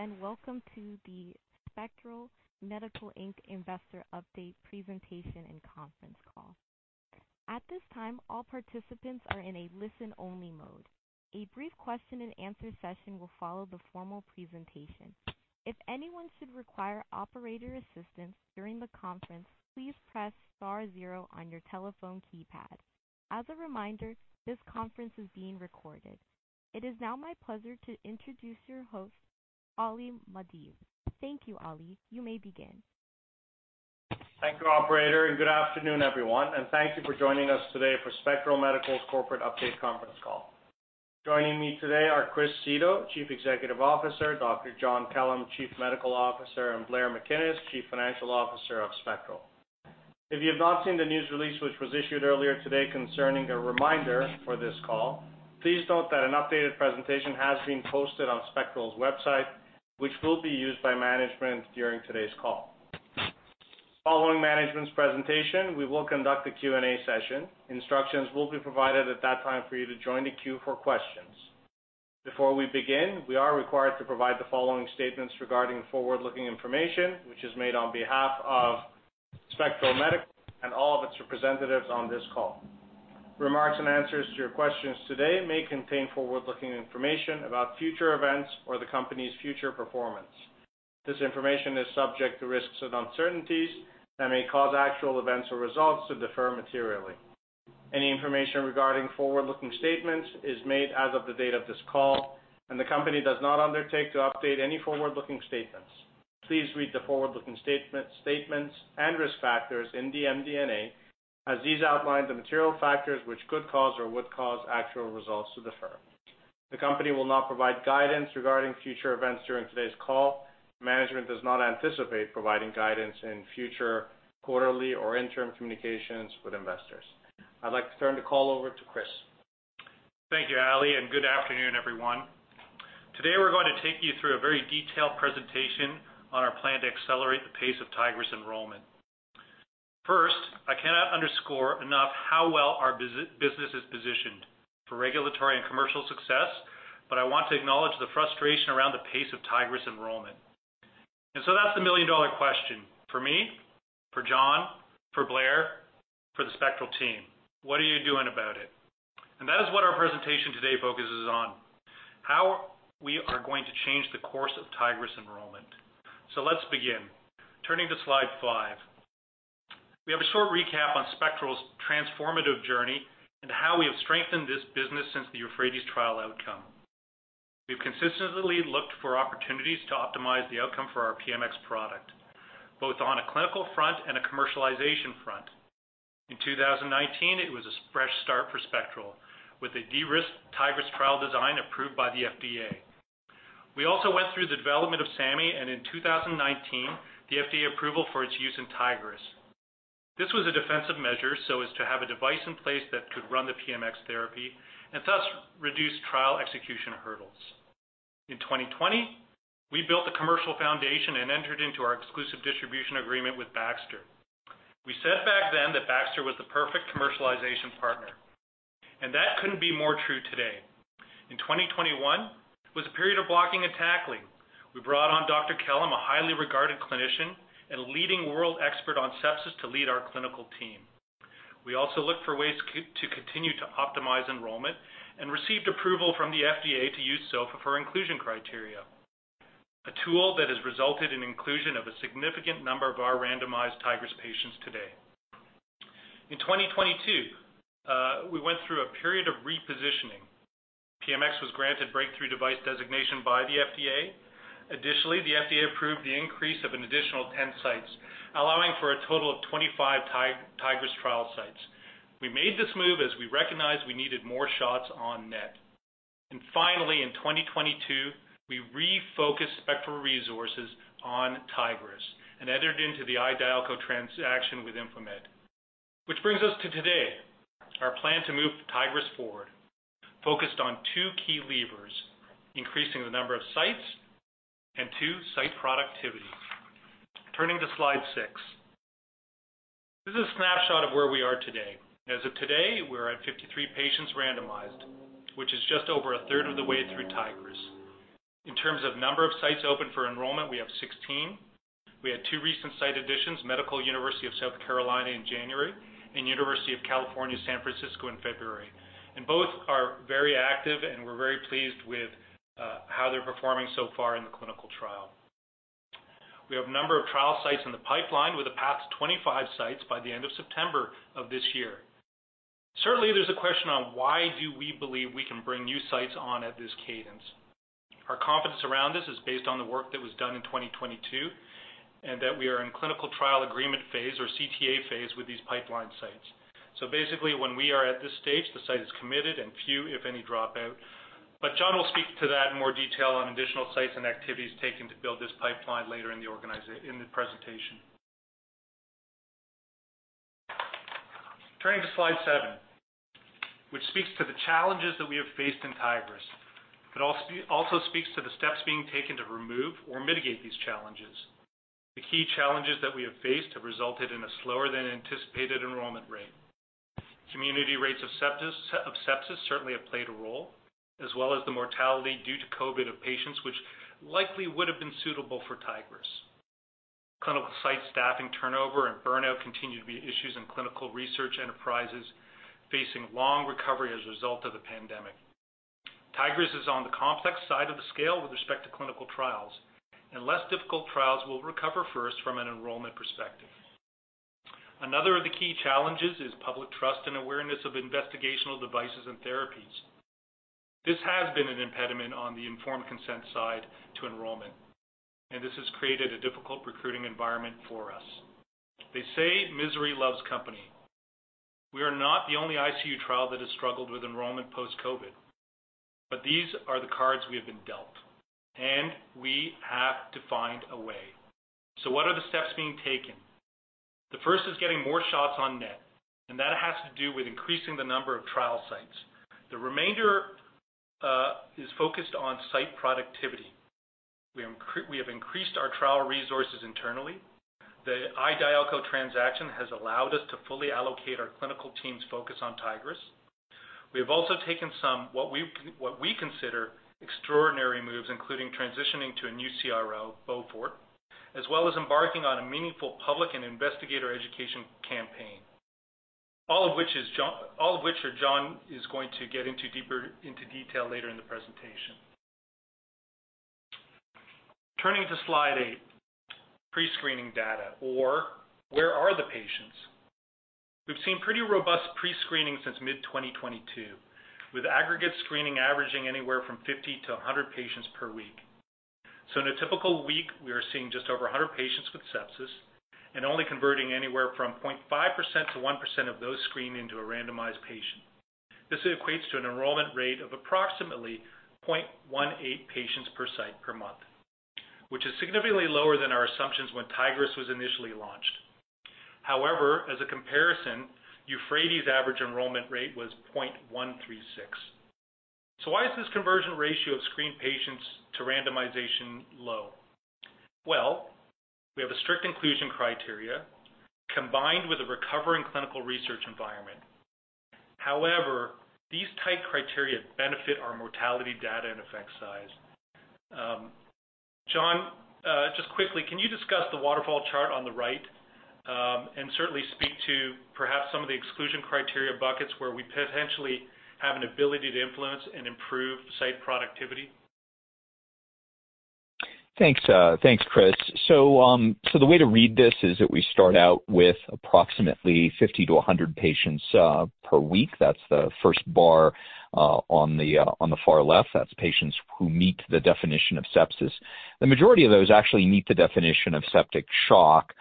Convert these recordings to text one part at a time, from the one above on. Good evening, and welcome to the Spectral Medical Inc Investor Update Presentation and conference call. At this time all participants are in a listen-only mode. A brief question and answer question will follow formal presentation. If anyone should require operator assistance during the conference, please press star zero on your telephone keypad. As a reminder, this conference is being recorded. It is now my pleasure to introduce your host Ali Mahdavi. Thank you, Ali. You may begin. Thank you, operator, and good afternoon, everyone, and thank you for joining us today for Spectral Medical's Corporate Update Conference Call. Joining me today are Chris Seto, Chief Executive Officer, Dr. John Kellum, Chief Medical Officer, and Blair McInnis, Chief Financial Officer of Spectral. If you have not seen the news release which was issued earlier today concerning a reminder for this call, please note that an updated presentation has been posted on Spectral's website, which will be used by management during today's call. Following management's presentation, we will conduct a Q&A session. Instructions will be provided at that time for you to join the queue for questions. Before we begin, we are required to provide the following statements regarding forward-looking information which is made on behalf of Spectral Medical and all of its representatives on this call. Remarks and answers to your questions today may contain forward-looking information about future events or the company's future performance. This information is subject to risks and uncertainties that may cause actual events or results to differ materially. Any information regarding forward-looking statements is made as of the date of this call, and the company does not undertake to update any forward-looking statements. Please read the forward-looking statements and risk factors in the MD&A as these outline the material factors which could cause or would cause actual results to differ. The company will not provide guidance regarding future events during today's call. Management does not anticipate providing guidance in future quarterly or interim communications with investors. I'd like to turn the call over to Chris. Thank you, Ali. Good afternoon, everyone. Today, we're going to take you through a very detailed presentation on our plan to accelerate the pace of Tigris enrollment. First, I cannot underscore enough how well our business is positioned for regulatory and commercial success. I want to acknowledge the frustration around the pace of Tigris enrollment. That's the million-dollar question for me, for John, for Blair, for the Spectral Medical team. What are you doing about it? That is what our presentation today focuses on, how we are going to change the course of Tigris enrollment. Let's begin. Turning to slide five. We have a short recap on Spectral Medical's transformative journey and how we have strengthened this business since the EUPHRATES trial outcome. We've consistently looked for opportunities to optimize the outcome for our PMX product, both on a clinical front and a commercialization front. In 2019, it was a fresh start for Spectral with a de-risked Tigris trial design approved by the FDA. We also went through the development of SAMI and in 2019, the FDA approval for its use in Tigris. This was a defensive measure so as to have a device in place that could run the PMX therapy and thus reduce trial execution hurdles. In 2020, we built the commercial foundation and entered into our exclusive distribution agreement with Baxter. We said back then that Baxter was the perfect commercialization partner, and that couldn't be more true today. In 2021, was a period of blocking and tackling. We brought on Dr. Kellum, a highly regarded clinician and a leading world expert on sepsis, to lead our clinical team. We also looked for ways to continue to optimize enrollment and received approval from the FDA to use SOFA for inclusion criteria, a tool that has resulted in inclusion of a significant number of our randomized Tigris patients today. In 2022, we went through a period of repositioning. PMX was granted breakthrough device designation by the FDA. The FDA approved the increase of an additional 10 sites, allowing for a total of 25 Tigris trial sites. We made this move as we recognized we needed more shots on net. Finally, in 2022, we refocused Spectral resources on Tigris and entered into the i-Dialco transaction with Infomed. Which brings us to today, our plan to move Tigris forward, focused on two key levers, increasing the number of sites and two, site productivity. Turning to slide six. This is a snapshot of where we are today. As of today, we're at 53 patients randomized, which is just over a 1/3 of the way through Tigris. In terms of number of sites open for enrollment, we have 16. We had two recent site additions, Medical University of South Carolina in January and University of California, San Francisco in February, and both are very active, and we're very pleased with how they're performing so far in the clinical trial. We have a number of trial sites in the pipeline with a path to 25 sites by the end of September of this year. Certainly, there's a question on why do we believe we can bring new sites on at this cadence. Our confidence around this is based on the work that was done in 2022, and that we are in clinical trial agreement phase or CTA phase with these pipeline sites. Basically, when we are at this stage, the site is committed and few, if any, drop out. John Kellum will speak to that in more detail on additional sites and activities taken to build this pipeline later in the presentation. Turning to slide seven, which speaks to the challenges that we have faced in Tigris. It also speaks to the steps being taken to remove or mitigate these challenges. The key challenges that we have faced have resulted in a slower than anticipated enrollment rate. Community rates of sepsis certainly have played a role, as well as the mortality due to COVID of patients which likely would have been suitable for Tigris. Clinical site staffing turnover and burnout continue to be issues in clinical research enterprises facing long recovery as a result of the pandemic. Tigris is on the complex side of the scale with respect to clinical trials, and less difficult trials will recover first from an enrollment perspective. Another of the key challenges is public trust and awareness of investigational devices and therapies. This has been an impediment on the informed consent side to enrollment, and this has created a difficult recruiting environment for us. They say misery loves company. We are not the only ICU trial that has struggled with enrollment post-COVID, but these are the cards we have been dealt, and we have to find a way. What are the steps being taken? The first is getting more shots on net, and that has to do with increasing the number of trial sites. The remainder is focused on site productivity. We have increased our trial resources internally. The i-Dialco transaction has allowed us to fully allocate our clinical team's focus on Tigris. We have also taken some, what we consider, extraordinary moves, including transitioning to a new CRO, Beaufort, as well as embarking on a meaningful public and investigator education campaign. All of which John is going to get into deeper detail later in the presentation. Turning to slide eight, pre-screening data, or where are the patients? We've seen pretty robust pre-screening since mid-2022, with aggregate screening averaging anywhere from 50-100 patients per week. In a typical week, we are seeing just over 100 patients with sepsis and only converting anywhere from 0.5%-1% of those screened into a randomized patient. This equates to an enrollment rate of approximately 0.18 patients per site per month, which is significantly lower than our assumptions when Tigris was initially launched. However, as a comparison, EUPHRATES' average enrollment rate was 0.136. Why is this conversion ratio of screened patients to randomization low? We have a strict inclusion criteria combined with a recovering clinical research environment. However, these tight criteria benefit our mortality data and effect size. John, just quickly, can you discuss the waterfall chart on the right and certainly speak to perhaps some of the exclusion criteria buckets where we potentially have an ability to influence and improve site productivity? Thanks, Chris. The way to read this is that we start out with approximately 50-100 patients per week. That's the first bar on the far left. That's patients who meet the definition of sepsis. The majority of those actually meet the definition of septic shock,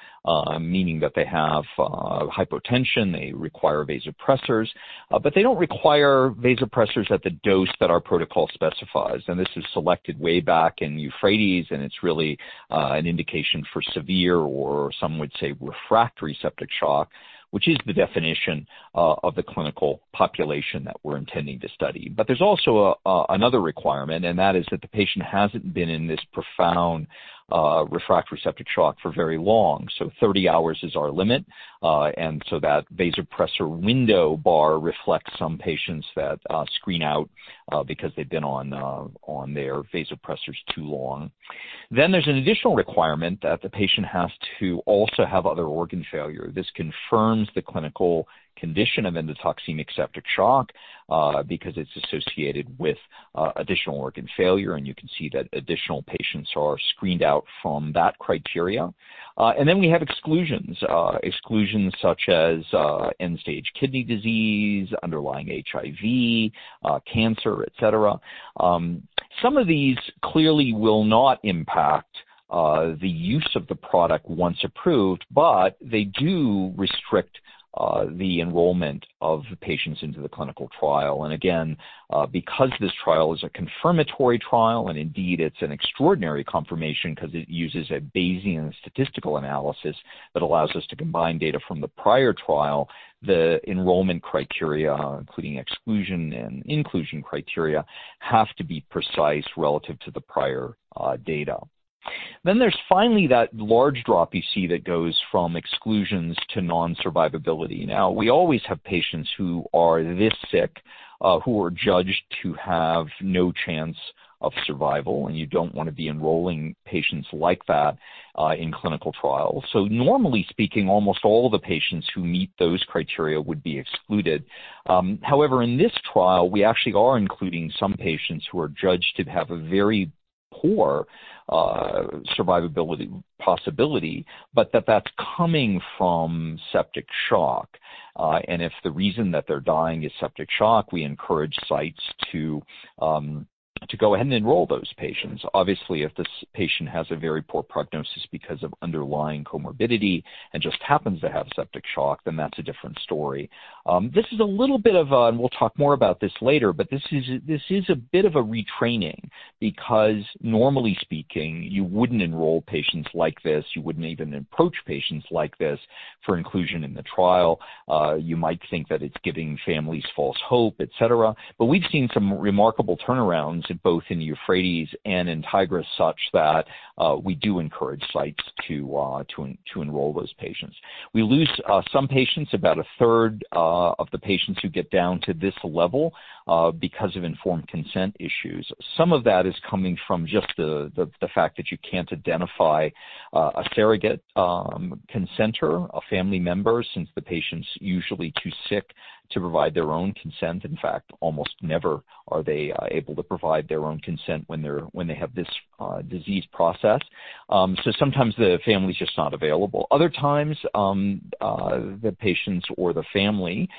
meaning that they have hypotension, they require vasopressors, but they don't require vasopressors at the dose that our protocol specifies. This was selected way back in EUPHRATES, and it's really an indication for severe, or some would say refractory, septic shock, which is the definition of the clinical population that we're intending to study. There's also another requirement, and that is that the patient hasn't been in this profound refractory septic shock for very long. 30 hours is our limit. That vasopressor window bar reflects some patients that screen out because they've been on their vasopressors too long. There's an additional requirement that the patient has to also have other organ failure. This confirms the clinical condition of endotoxic septic shock because it's associated with additional organ failure, and you can see that additional patients are screened out from that criteria. We have exclusions. Exclusions such as end-stage kidney disease, underlying HIV, cancer, et cetera. Some of these clearly will not impact the use of the product once approved, but they do restrict the enrollment of the patients into the clinical trial. Because this trial is a confirmatory trial, and indeed it's an extraordinary confirmation because it uses a Bayesian statistical analysis that allows us to combine data from the prior trial, the enrollment criteria, including exclusion and inclusion criteria, have to be precise relative to the prior data. There's finally that large drop you see that goes from exclusions to non-survivability. We always have patients who are this sick who are judged to have no chance of survival, and you don't want to be enrolling patients like that in clinical trials. Normally speaking, almost all the patients who meet those criteria would be excluded. However, in this trial, we actually are including some patients who are judged to have a very poor survivability possibility, but that's coming from septic shock. If the reason that they're dying is septic shock, we encourage sites to go ahead and enroll those patients. Obviously, if this patient has a very poor prognosis because of underlying comorbidity and just happens to have septic shock, then that's a different story. This is a little bit of a and we'll talk more about this later, but this is a bit of a retraining because normally speaking, you wouldn't enroll patients like this. You wouldn't even approach patients like this for inclusion in the trial. You might think that it's giving families false hope, et cetera. We've seen some remarkable turnarounds, both in the EUPHRATES and in Tigris, such that we do encourage sites to enroll those patients. We lose some patients, about a 1/3 of the patients who get down to this level, because of informed consent issues. Some of that is coming from just the fact that you can't identify a surrogate consenter, a family member, since the patient's usually too sick to provide their own consent. In fact, almost never are they able to provide their own consent when they have this disease process. Sometimes the family's just not available. Other times, the patients or the family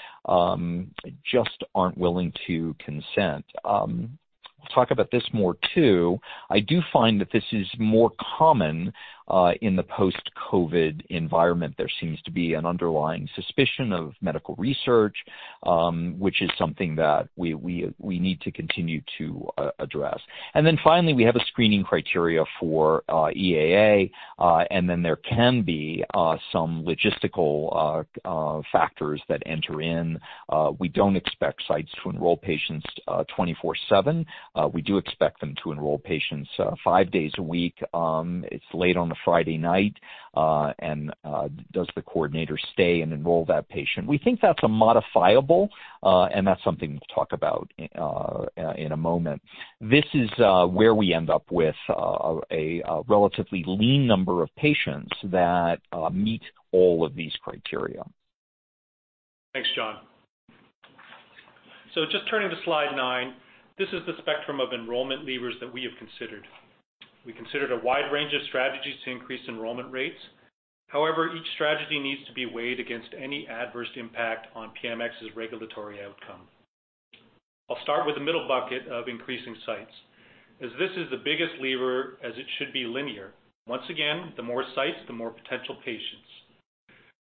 just aren't willing to consent. We'll talk about this more, too. I do find that this is more common in the post-COVID environment. There seems to be an underlying suspicion of medical research, which is something that we need to continue to address. Finally, we have a screening criteria for EAA, and then there can be some logistical factors that enter in. We don't expect sites to enroll patients 24/7. We do expect them to enroll patients five days a week. It's late on a Friday night, does the coordinator stay and enroll that patient? We think that's a modifiable, and that's something we'll talk about in a moment. This is where we end up with a relatively lean number of patients that meet all of these criteria. Thanks, John. Just turning to slide nine, this is the spectrum of enrollment levers that we have considered. We considered a wide range of strategies to increase enrollment rates. However, each strategy needs to be weighed against any adverse impact on PMX's regulatory outcome. I'll start with the middle bucket of increasing sites, as this is the biggest lever, as it should be linear. Once again, the more sites, the more potential patients.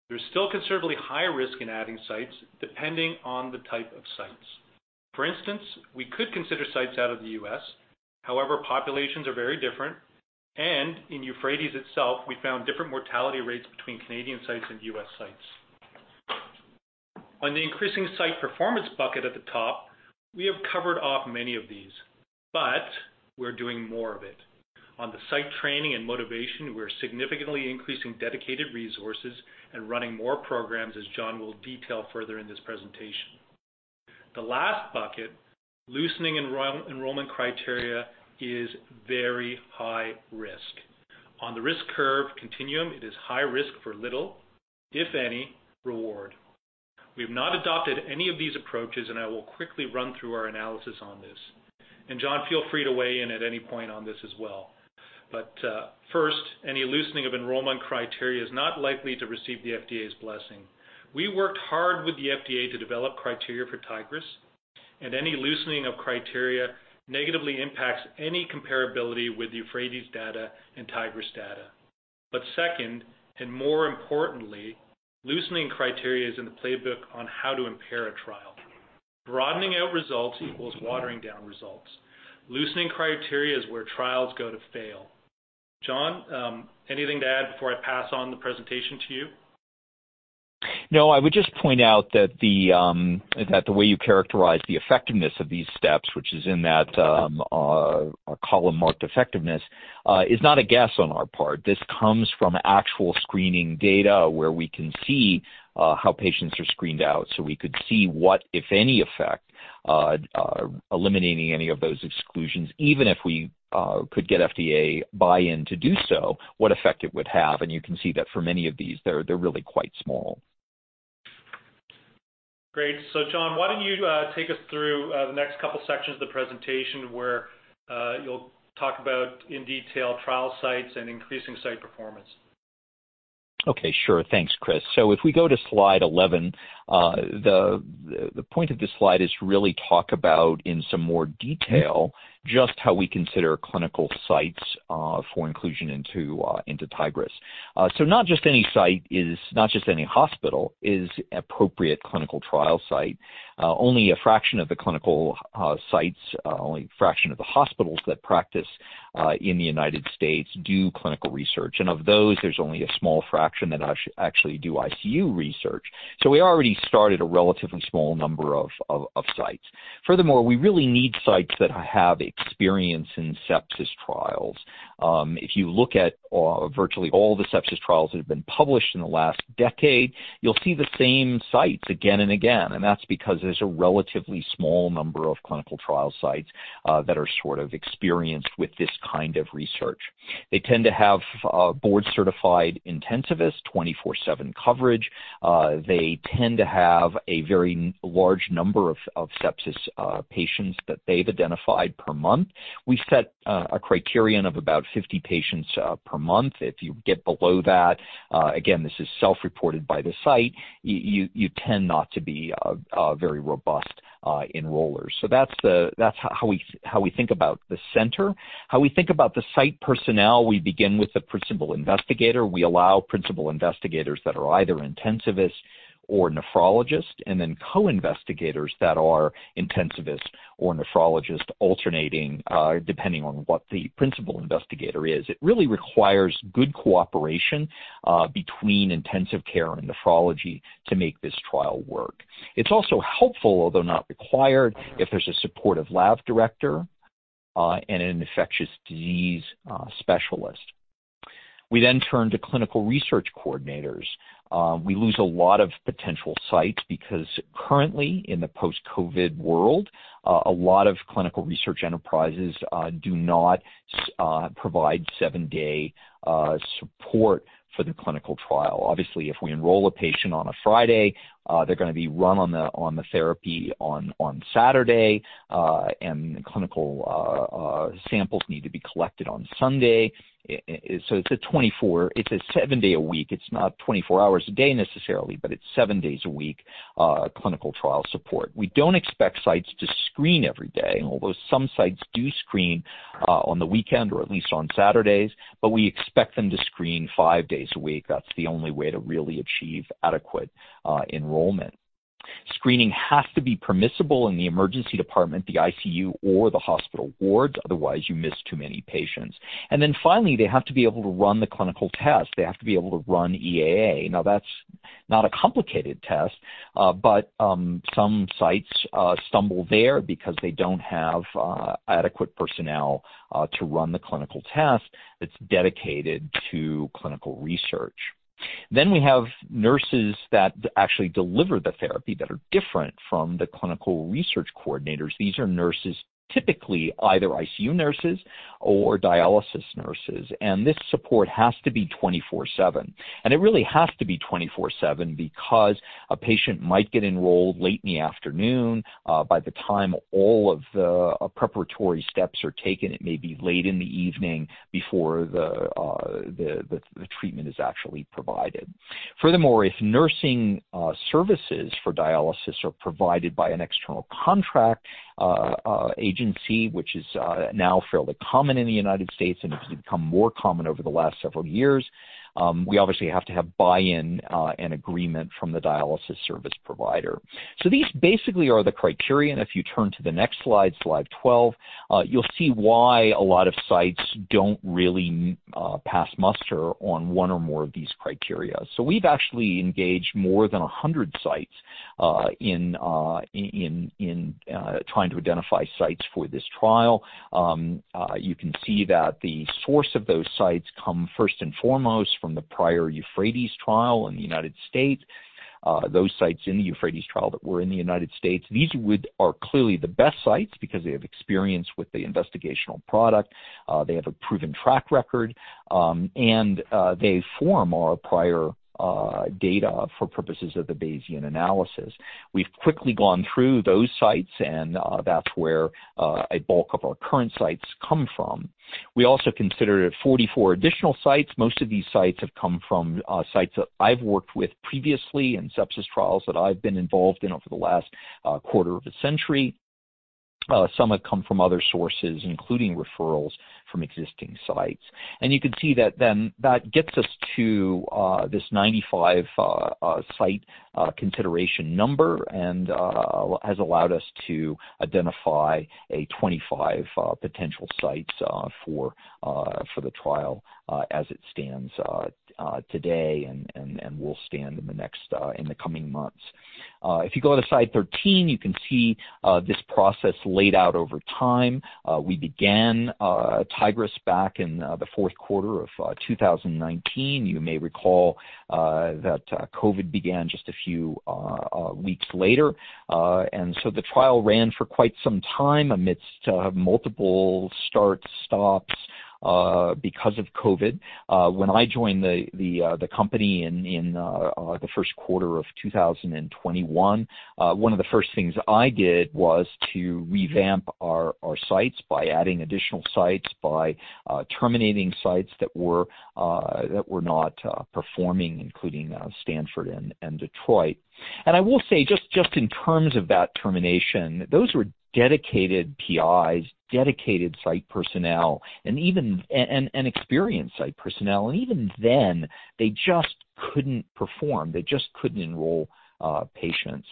There's still considerably higher risk in adding sites, depending on the type of sites. For instance, we could consider sites out of the U.S., however, populations are very different, and in EUPHRATES itself, we found different mortality rates between Canadian sites and U.S. sites. On the increasing site performance bucket at the top, we have covered off many of these, but we're doing more of it. On the site training and motivation, we're significantly increasing dedicated resources and running more programs, as John will detail further in this presentation. The last bucket, loosening enrollment criteria, is very high risk. On the risk curve continuum, it is high risk for little, if any, reward. We have not adopted any of these approaches. I will quickly run through our analysis on this. John, feel free to weigh in at any point on this as well. First, any loosening of enrollment criteria is not likely to receive the FDA's blessing. We worked hard with the FDA to develop criteria for Tigris. Any loosening of criteria negatively impacts any comparability with EUPHRATES data and Tigris data. Second, and more importantly, loosening criteria is in the playbook on how to impair a trial. Broadening out results equals watering down results. Loosening criteria is where trials go to fail. John, anything to add before I pass on the presentation to you? I would just point out that the way you characterize the effectiveness of these steps, which is in that column marked effectiveness, is not a guess on our part. This comes from actual screening data where we can see how patients are screened out. We could see what, if any effect, eliminating any of those exclusions, even if we could get FDA buy-in to do so, what effect it would have. You can see that for many of these, they're really quite small. Great. John, why don't you take us through the next couple sections of the presentation where you'll talk about in detail trial sites and increasing site performance. Okay, sure. Thanks, Chris. If we go to slide 11, the point of this slide is to really talk about, in some more detail, just how we consider clinical sites for inclusion into Tigris. Not just any hospital is appropriate clinical trial site. Only a fraction of the clinical sites, only a fraction of the hospitals that practice in the U.S. do clinical research. Of those, there's only a small fraction that actually do ICU research. We already started a relatively small number of sites. Furthermore, we really need sites that have experience in sepsis trials. If you look at virtually all the sepsis trials that have been published in the last decade, you'll see the same sites again and again, and that's because there's a relatively small number of clinical trial sites that are sort of experienced with this kind of research. They tend to have board-certified intensivists, 24/7 coverage. They tend to have a very large number of sepsis patients that they've identified per month. We set a criterion of about 50 patients per month. If you get below that, again, this is self-reported by the site, you tend not to be very robust enrollers. That's how we think about the center. How we think about the site personnel, we begin with the principal investigator. We allow principal investigators that are either intensivists or nephrologists, and then co-investigators that are intensivists or nephrologists alternating, depending on what the principal investigator is. It really requires good cooperation between intensive care and nephrology to make this trial work. It's also helpful, although not required, if there's a supportive lab director and an infectious disease specialist. We turn to clinical research coordinators. We lose a lot of potential sites because currently in the post-COVID world, a lot of clinical research enterprises do not provide seven-day support for the clinical trial. If we enroll a patient on a Friday, they're going to be run on the therapy on Saturday, the clinical samples need to be collected on Sunday. It's a seven-day a week. It's not 24 hours a day necessarily, it's seven-days-a-week clinical trial support. We don't expect sites to screen every day, although some sites do screen on the weekend or at least on Saturdays, we expect them to screen five days a week. That's the only way to really achieve adequate enrollment. Screening has to be permissible in the emergency department, the ICU, or the hospital wards. Otherwise, you miss too many patients. Finally, they have to be able to run the clinical test. They have to be able to run EAA. That's not a complicated test, but some sites stumble there because they don't have adequate personnel to run the clinical test that's dedicated to clinical research. We have nurses that actually deliver the therapy that are different from the clinical research coordinators. These are nurses, typically either ICU nurses or dialysis nurses, and this support has to be 24/7. It really has to be 24/7 because a patient might get enrolled late in the afternoon. By the time all of the preparatory steps are taken, it may be late in the evening before the treatment is actually provided. If nursing services for dialysis are provided by an external contract agency, which is now fairly common in the U.S. and has become more common over the last several years, we obviously have to have buy-in and agreement from the dialysis service provider. These basically are the criteria, and if you turn to the next slide 12, you'll see why a lot of sites don't really pass muster on one or more of these criteria. We've actually engaged more than 100 sites in trying to identify sites for this trial. You can see that the source of those sites come first and foremost from the prior EUPHRATES trial in the U.S. Those sites in the EUPHRATES trial that were in the U.S., these are clearly the best sites because they have experience with the investigational product, they have a proven track record, and they form our prior data for purposes of the Bayesian analysis. We've quickly gone through those sites, and that's where a bulk of our current sites come from. We also considered 44 additional sites. Most of these sites have come from sites that I've worked with previously and sepsis trials that I've been involved in over the last quarter of a century. Some have come from other sources, including referrals from existing sites. You can see that then that gets us to this 95 site consideration number and has allowed us to identify a 25 potential sites for the trial as it stands today and will stand in the coming months. If you go to slide 13, you can see this process laid out over time. We began Tigris back in the fourth quarter of 2019. You may recall that COVID began just a few weeks later. The trial ran for quite some time amidst multiple start-stops because of COVID. When I joined the company in the first quarter of 2021, one of the first things I did was to revamp our sites by adding additional sites, by terminating sites that were not performing, including Stanford and Detroit. I will say, just in terms of that termination, those were dedicated PIs, dedicated site personnel, and experienced site personnel. Even then, they just couldn't perform. They just couldn't enroll patients.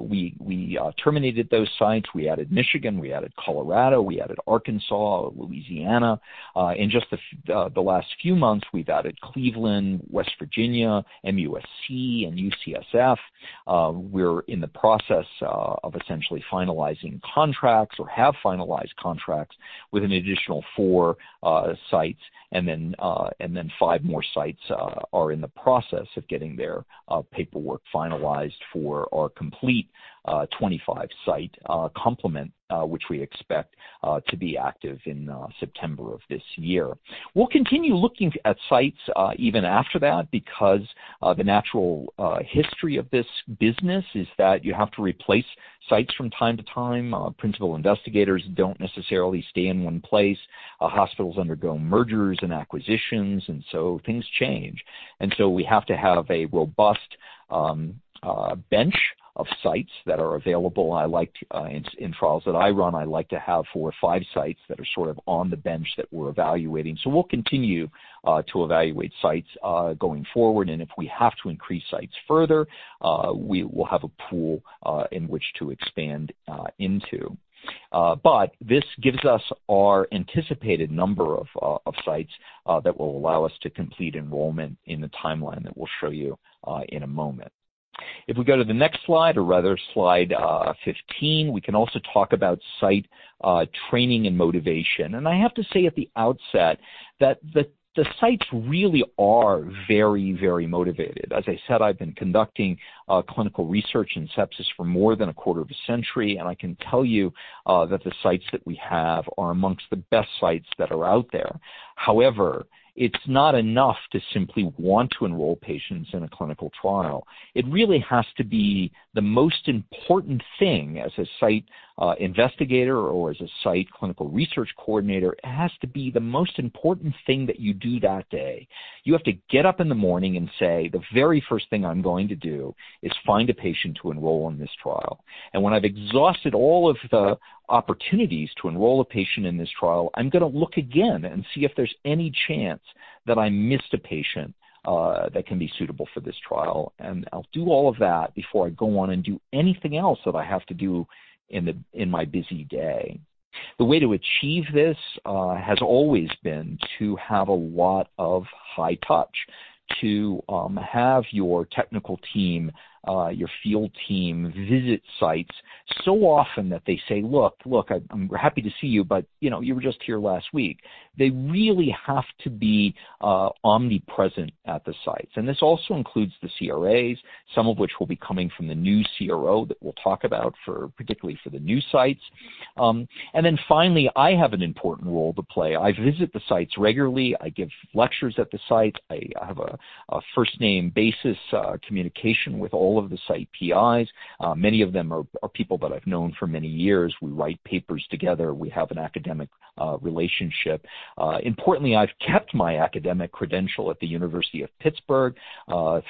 We terminated those sites. We added Michigan, we added Colorado, we added Arkansas, Louisiana. In just the last few months, we've added Cleveland, West Virginia, MUSC, and UCSF. We're in the process of essentially finalizing contracts or have finalized contracts with an additional four sites, and then five more sites are in the process of getting their paperwork finalized for our complete 25-site complement, which we expect to be active in September of this year. We'll continue looking at sites even after that because the natural history of this business is that you have to replace sites from time to time. Principal investigators don't necessarily stay in one place. Hospitals undergo mergers and acquisitions, and so things change. We have to have a robust bench of sites that are available. In trials that I run, I like to have four or five sites that are sort of on the bench that we're evaluating. We'll continue to evaluate sites going forward, and if we have to increase sites further, we will have a pool in which to expand into. This gives us our anticipated number of sites that will allow us to complete enrollment in the timeline that we'll show you in a moment. If we go to the next slide, or rather slide 15, we can also talk about site training and motivation. I have to say at the outset that the sites really are very, very motivated. As I said, I've been conducting clinical research in sepsis for more than a quarter of a century, and I can tell you that the sites that we have are amongst the best sites that are out there. However, it's not enough to simply want to enroll patients in a clinical trial. It really has to be the most important thing as a site investigator or as a site clinical research coordinator. It has to be the most important thing that you do that day. You have to get up in the morning and say, "The very first thing I'm going to do is find a patient to enroll in this trial. When I've exhausted all of the opportunities to enroll a patient in this trial, I'm going to look again and see if there's any chance that I missed a patient that can be suitable for this trial. I'll do all of that before I go on and do anything else that I have to do in my busy day." The way to achieve this has always been to have a lot of high touch, to have your technical team, your field team, visit sites so often that they say, "Look, I'm happy to see you, but you were just here last week." They really have to be omnipresent at the sites. This also includes the CRAs, some of which will be coming from the new CRO that we'll talk about particularly for the new sites. Finally, I have an important role to play. I visit the sites regularly. I give lectures at the sites. I have a first-name basis communication with all of the site PIs. Many of them are people that I've known for many years. We write papers together. We have an academic relationship. Importantly, I've kept my academic credential at the University of Pittsburgh on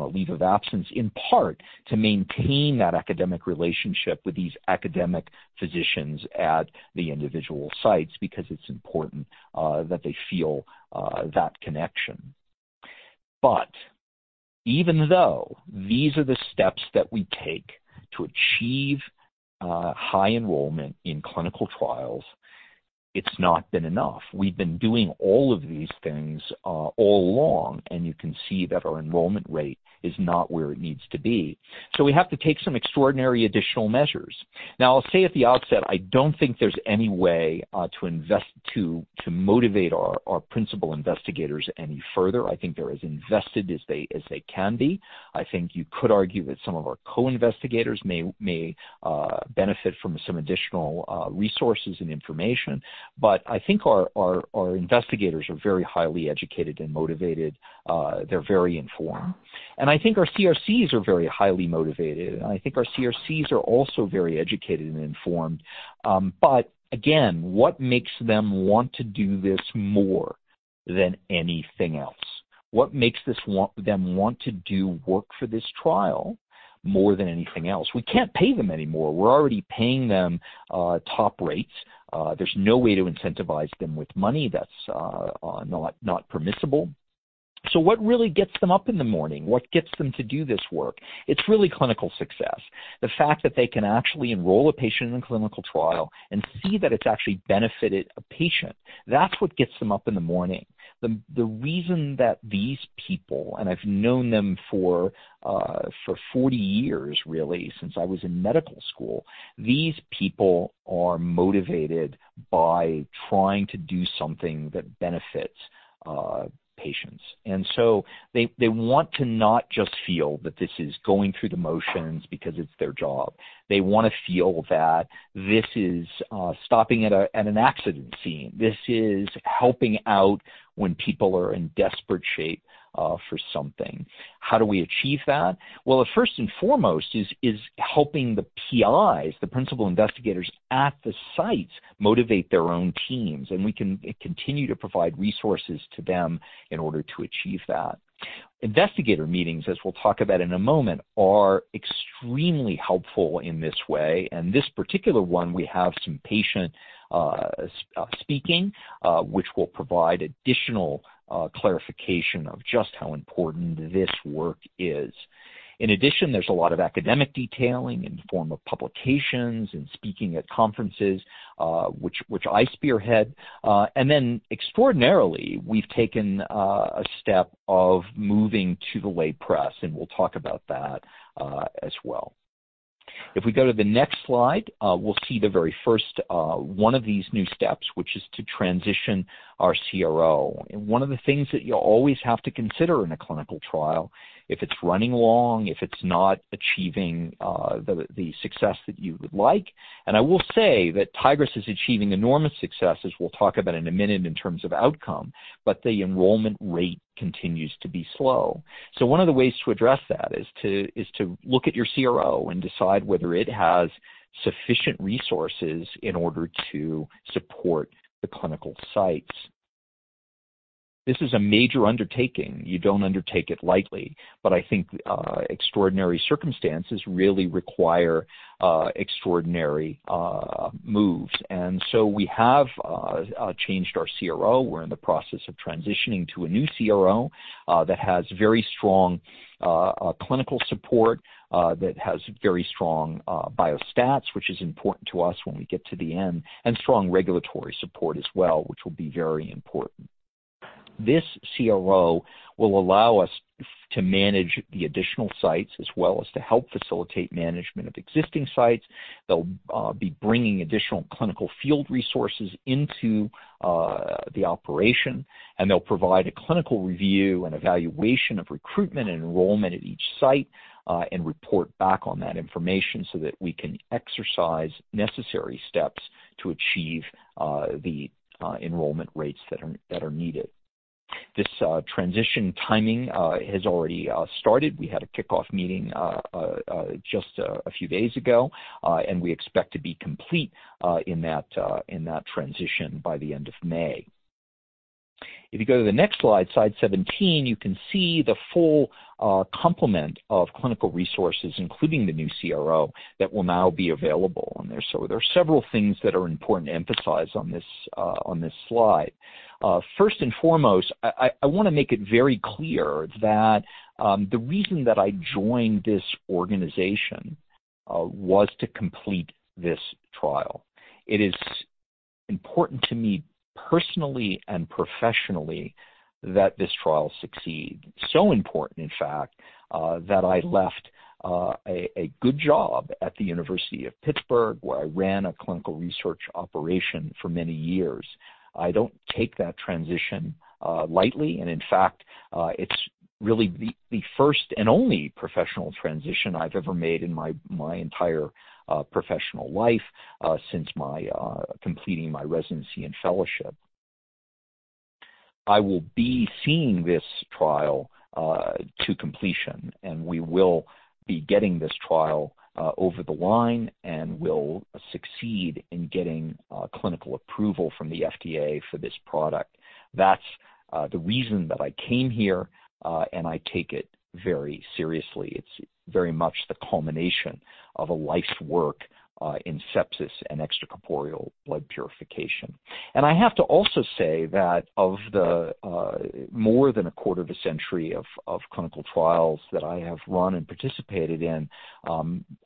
a leave of absence, in part to maintain that academic relationship with these academic physicians at the individual sites because it's important that they feel that connection. Even though these are the steps that we take to achieve high enrollment in clinical trials, it's not been enough. We've been doing all of these things all along, and you can see that our enrollment rate is not where it needs to be. We have to take some extraordinary additional measures. Now, I'll say at the outset, I don't think there's any way to motivate our Principal Investigators any further. I think they're as invested as they can be. I think you could argue that some of our co-investigators may benefit from some additional resources and information. I think our investigators are very highly educated and motivated. They're very informed. I think our CRCs are very highly motivated. I think our CRCs are also very educated and informed. Again, what makes them want to do this more than anything else? What makes them want to do work for this trial more than anything else? We can't pay them any more. We're already paying them top rates. There's no way to incentivize them with money. That's not permissible. What really gets them up in the morning? What gets them to do this work? It's really clinical success, the fact that they can actually enroll a patient in a clinical trial and see that it's actually benefited a patient. That's what gets them up in the morning. The reason that these people, and I've known them for 40 years really, since I was in medical school. These people are motivated by trying to do something that benefits patients. So they want to not just feel that this is going through the motions because it's their job. They want to feel that this is stopping at an accident scene. This is helping out when people are in desperate shape for something. How do we achieve that? Well, first and foremost is helping the PIs, the principal investigators at the sites motivate their own teams, and we can continue to provide resources to them in order to achieve that. Investigator meetings, as we'll talk about in a moment, are extremely helpful in this way. This particular one, we have some patient speaking which will provide additional clarification of just how important this work is. In addition, there's a lot of academic detailing in the form of publications and speaking at conferences, which I spearhead. Extraordinarily, we've taken a step of moving to the lay press, and we'll talk about that as well. If we go to the next slide, we'll see the very first one of these new steps, which is to transition our CRO. One of the things that you always have to consider in a clinical trial, if it's running long, if it's not achieving the success that you would like. I will say that Tigris is achieving enormous success, as we'll talk about in a minute, in terms of outcome, but the enrollment rate continues to be slow. One of the ways to address that is to look at your CRO and decide whether it has sufficient resources in order to support the clinical sites. This is a major undertaking. You don't undertake it lightly, but I think extraordinary circumstances really require extraordinary moves. We have changed our CRO. We're in the process of transitioning to a new CRO that has very strong clinical support, that has very strong biostats, which is important to us when we get to the end, and strong regulatory support as well, which will be very important. This CRO will allow us to manage the additional sites as well as to help facilitate management of existing sites. They'll be bringing additional clinical field resources into the operation, and they'll provide a clinical review and evaluation of recruitment and enrollment at each site, and report back on that information so that we can exercise necessary steps to achieve the enrollment rates that are needed. This transition timing has already started. We had a kickoff meeting just a few days ago, and we expect to be complete in that transition by the end of May. If you go to the next slide 17, you can see the full complement of clinical resources, including the new CRO, that will now be available. There are several things that are important to emphasize on this slide. First and foremost, I want to make it very clear that the reason that I joined this organization was to complete this trial. It is important to me personally and professionally that this trial succeed. Important, in fact, that I left a good job at the University of Pittsburgh, where I ran a clinical research operation for many years. I don't take that transition lightly. In fact, it's really the first and only professional transition I've ever made in my entire professional life since completing my residency and fellowship. I will be seeing this trial to completion. We will be getting this trial over the line, and will succeed in getting clinical approval from the FDA for this product. That's the reason that I came here. I take it very seriously. It's very much the culmination of a life's work in sepsis and extracorporeal blood purification. I have to also say that of the more than a quarter of a century of clinical trials that I have run and participated in,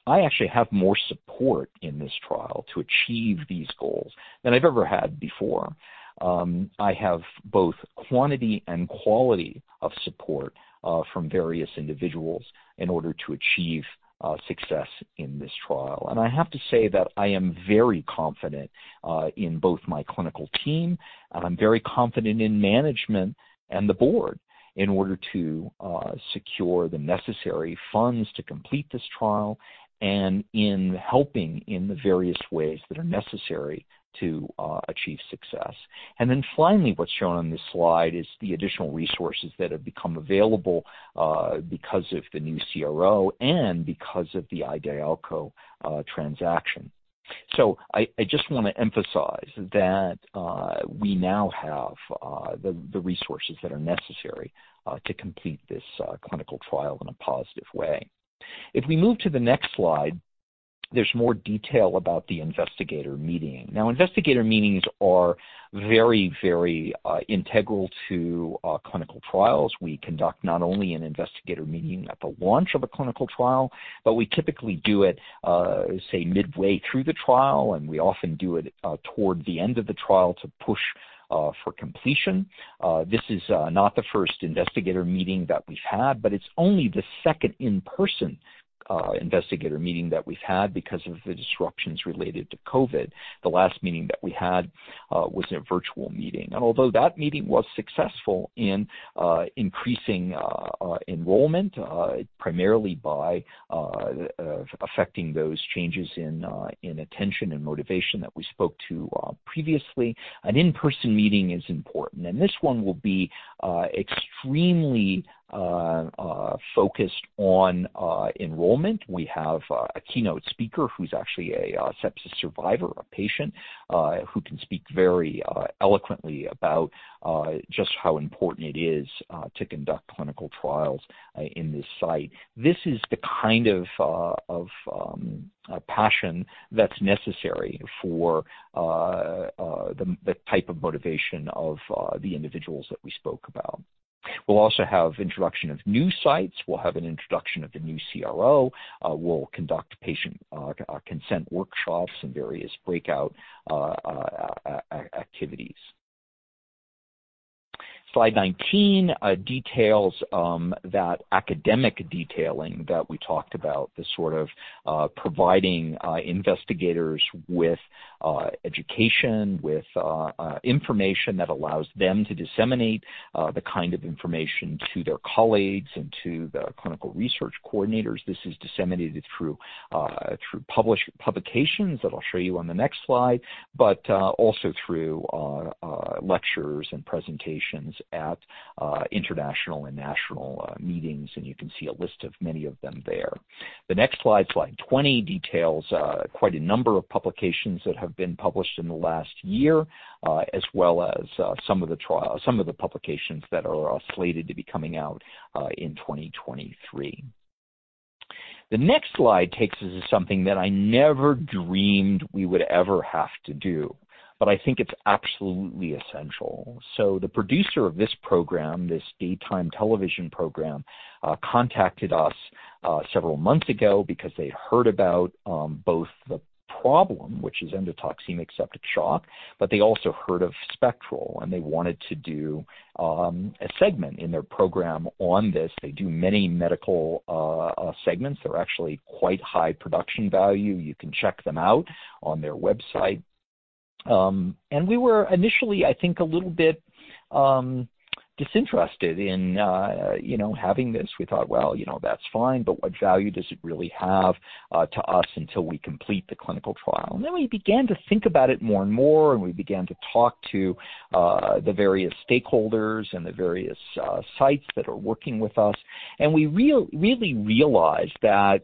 I actually have more support in this trial to achieve these goals than I've ever had before. I have both quantity and quality of support from various individuals in order to achieve success in this trial. I have to say that I am very confident in both my clinical team, I'm very confident in management and the board in order to secure the necessary funds to complete this trial and in helping in the various ways that are necessary to achieve success. Finally, what's shown on this slide is the additional resources that have become available because of the new CRO and because of the i-Dialco transaction. I just want to emphasize that we now have the resources that are necessary to complete this clinical trial in a positive way. If we move to the next slide, there's more detail about the investigator meeting. Investigator meetings are very, very integral to clinical trials. We conduct not only an investigator meeting at the launch of a clinical trial, but we typically do it, say, midway through the trial, and we often do it toward the end of the trial to push for completion. This is not the first investigator meeting that we've had, but it's only the second in-person investigator meeting that we've had because of the disruptions related to COVID. Although that meeting was successful in increasing enrollment, primarily by affecting those changes in attention and motivation that we spoke to previously, an in-person meeting is important. This one will be extremely focused on enrollment. We have a keynote speaker who's actually a sepsis survivor, a patient who can speak very eloquently about just how important it is to conduct clinical trials in this site. This is the kind of passion that's necessary for the type of motivation of the individuals that we spoke about. We'll also have introduction of new sites. We'll have an introduction of the new CRO. We'll conduct patient consent workshops and various breakout activities. Slide 19 details that academic detailing that we talked about, the sort of providing investigators with education, with information that allows them to disseminate the kind of information to their colleagues and to the clinical research coordinators. This is disseminated through publications that I'll show you on the next slide, but also through lectures and presentations at international and national meetings, and you can see a list of many of them there. The next slide 20, details quite a number of publications that have been published in the last year as well as some of the publications that are slated to be coming out in 2023. The next slide takes us to something that I never dreamed we would ever have to do, but I think it's absolutely essential. The producer of this program, this daytime television program, contacted us several months ago because they'd heard about both the problem, which is endotoxic septic shock, but they also heard of Spectral, and they wanted to do a segment in their program on this. They do many medical segments. They're actually quite high production value. You can check them out on their website. We were initially, I think, a little bit disinterested in having this. We thought, "Well, that's fine, but what value does it really have to us until we complete the clinical trial?" Then we began to think about it more and more, and we began to talk to the various stakeholders and the various sites that are working with us. We really realized that.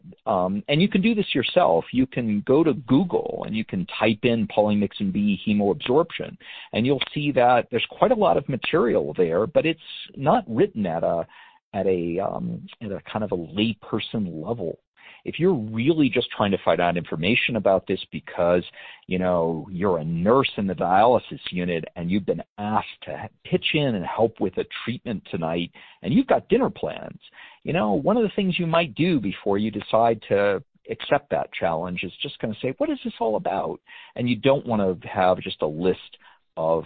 You can do this yourself. You can go to Google. You can type in polymyxin B hemoperfusion. You'll see that there's quite a lot of material there. It's not written at a kind of a layperson level. If you're really just trying to find out information about this because you're a nurse in the dialysis unit and you've been asked to pitch in and help with a treatment tonight and you've got dinner plans, one of the things you might do before you decide to accept that challenge is just kind of say, "What is this all about?" You don't want to have just a list of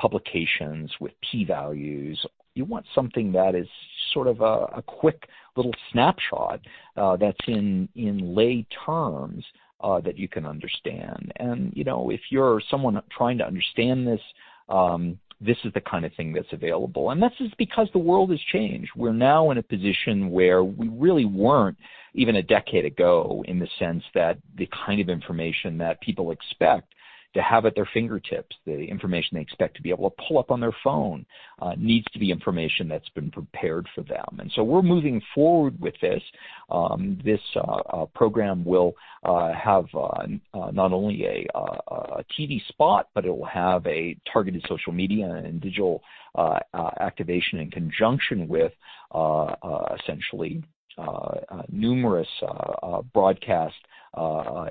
publications with P values. You want something that is sort of a quick little snapshot that's in lay terms that you can understand. If you're someone trying to understand this is the kind of thing that's available. That's just because the world has changed. We're now in a position where we really weren't even a decade ago, in the sense that the kind of information that people expect to have at their fingertips, the information they expect to be able to pull up on their phone, needs to be information that's been prepared for them. We're moving forward with this. This program will have not only a TV spot, but it will have a targeted social media and digital activation in conjunction with essentially numerous broadcast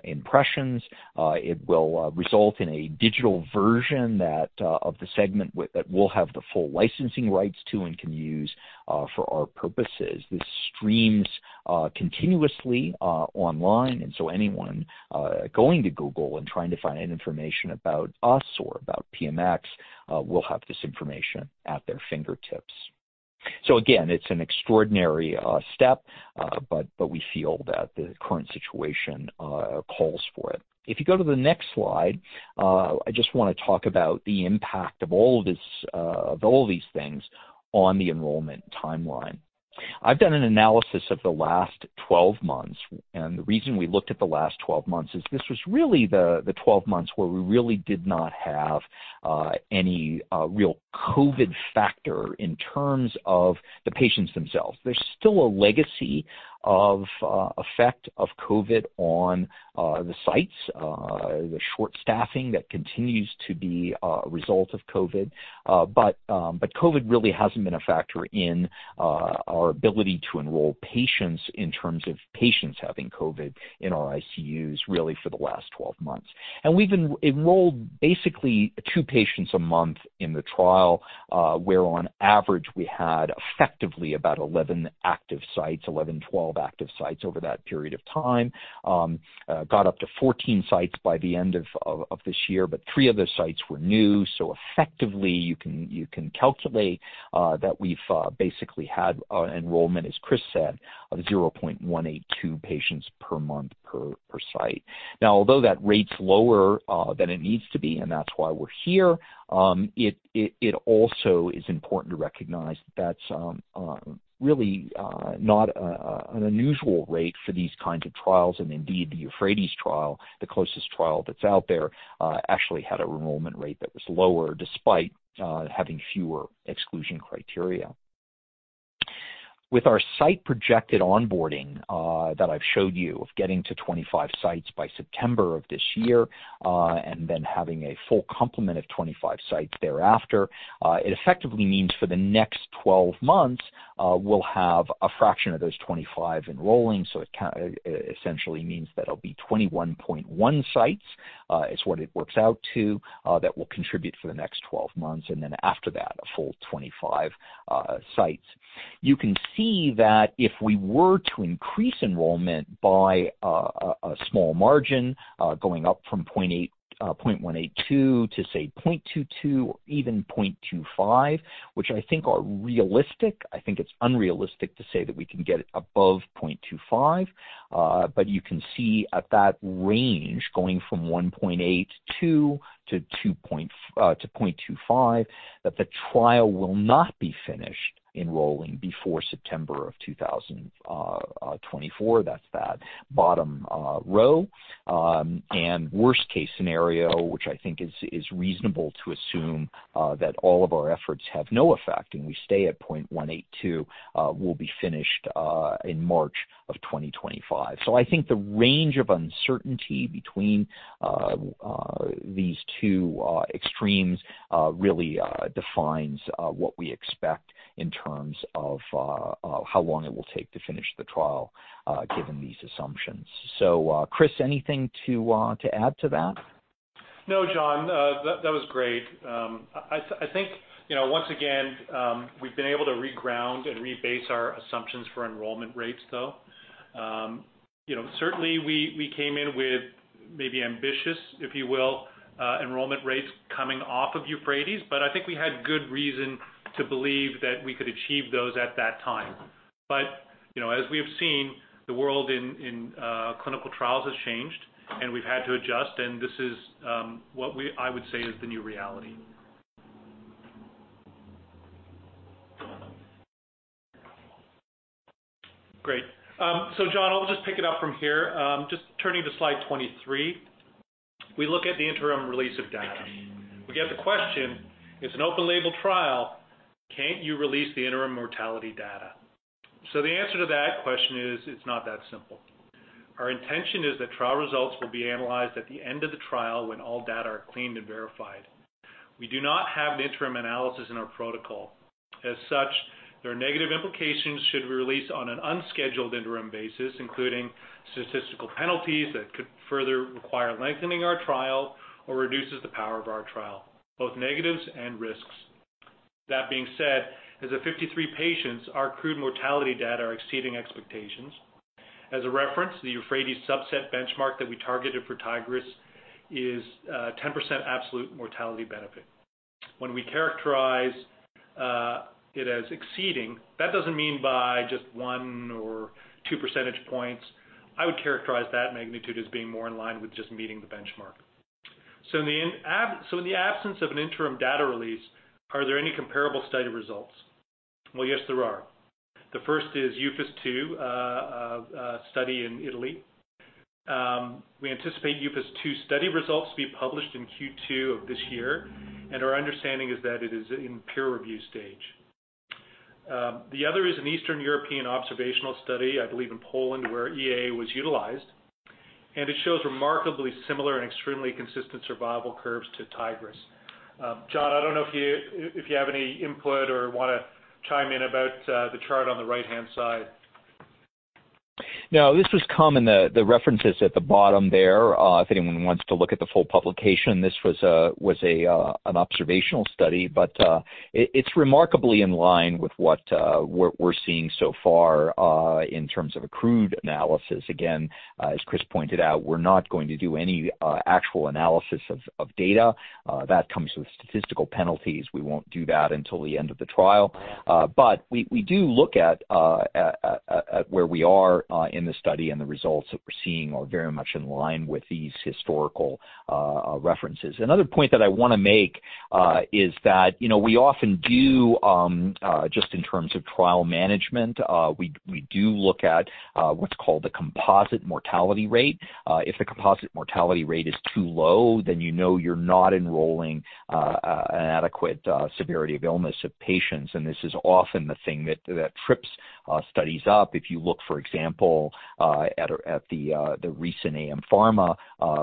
impressions. It will result in a digital version of the segment that we'll have the full licensing rights to and can use for our purposes. This streams continuously online, and so anyone going to Google and trying to find information about us or about PMX will have this information at their fingertips. Again, it's an extraordinary step, but we feel that the current situation calls for it. If you go to the next slide, I just want to talk about the impact of all of these things on the enrollment timeline. I've done an analysis of the last 12 months, and the reason we looked at the last 12 months is this was really the 12 months where we really did not have any real COVID factor in terms of the patients themselves. There's still a legacy of effect of COVID on the sites, the short staffing that continues to be a result of COVID. COVID really hasn't been a factor in our ability to enroll patients in terms of patients having COVID in our ICUs, really for the last 12 months. We've enrolled basically two patients a month in the trial, where on average, we had effectively about 11 active sites, 11, 12 active sites over that period of time. Got up to 14 sites by the end of this year, three of the sites were new. Effectively, you can calculate that we've basically had enrollment, as Chris said, of 0.182 patients per month per site. Now, although that rate's lower than it needs to be, and that's why we're here, it also is important to recognize that's really not an unusual rate for these kinds of trials. Indeed, the EUPHRATES trial, the closest trial that's out there, actually had an enrollment rate that was lower despite having fewer exclusion criteria. With our site projected onboarding that I've showed you of getting to 25 sites by September of this year and then having a full complement of 25 sites thereafter, it effectively means for the next 12 months, we'll have a fraction of those 25 enrolling. It essentially means that it'll be 21.1 sites, is what it works out to, that will contribute for the next 12 months, and then after that, a full 25 sites. You can see that if we were to increase enrollment by a small margin, going up from 0.182 to, say, 0.22 or even 0.25, which I think are realistic. I think it's unrealistic to say that we can get above 0.25. You can see at that range, going from 0.182 to 0.25, that the trial will not be finished enrolling before September of 2024. That's that bottom row. Worst-case scenario, which I think is reasonable to assume that all of our efforts have no effect and we stay at 0.182, we'll be finished in March 2025. I think the range of uncertainty between these two extremes really defines what we expect in terms of how long it will take to finish the trial given these assumptions. Chris, anything to add to that? No, John. That was great. I think, once again, we've been able to reground and rebase our assumptions for enrollment rates, though. Certainly, we came in with maybe ambitious, if you will, enrollment rates coming off of EUPHRATES, but I think we had good reason to believe that we could achieve those at that time. As we have seen, the world in clinical trials has changed, and we've had to adjust, and this is what I would say is the new reality. Great. John, I'll just pick it up from here. Just turning to slide 23. We look at the interim release of data. We get the question, "It's an open-label trial, can't you release the interim mortality data?" The answer to that question is it's not that simple. Our intention is that trial results will be analyzed at the end of the trial when all data are cleaned and verified. We do not have an interim analysis in our protocol. As such, there are negative implications should we release on an unscheduled interim basis, including statistical penalties that could further require lengthening our trial or reduces the power of our trial, both negatives and risks. That being said, as of 53 patients, our crude mortality data are exceeding expectations. As a reference, the EUPHRATES subset benchmark that we targeted for Tigris is 10% absolute mortality benefit. When we characterize it as exceeding, that doesn't mean by just one or 2 percentage points. I would characterize that magnitude as being more in line with just meeting the benchmark. In the absence of an interim data release, are there any comparable study results? Well, yes, there are. The first is EUPHAS-2, a study in Italy. We anticipate EUPHAS-2 study results to be published in Q2 of this year, and our understanding is that it is in peer review stage. The other is an Eastern European observational study, I believe in Poland, where EAA was utilized, and it shows remarkably similar and extremely consistent survival curves to Tigris. John, I don't know if you have any input or want to chime in about the chart on the right-hand side. No, this was common. The reference is at the bottom there, if anyone wants to look at the full publication. This was an observational study, but it's remarkably in line with what we're seeing so far in terms of a crude analysis. Again, as Chris pointed out, we're not going to do any actual analysis of data. That comes with statistical penalties. We won't do that until the end of the trial. We do look at where we are in the study and the results that we're seeing are very much in line with these historical references. Another point that I want to make is that we often do, just in terms of trial management, we do look at what's called the composite mortality rate. If the composite mortality rate is too low, you know you're not enrolling an adequate severity of illness of patients. This is often the thing that trips studies up. If you look, for example, at the recent AM-Pharma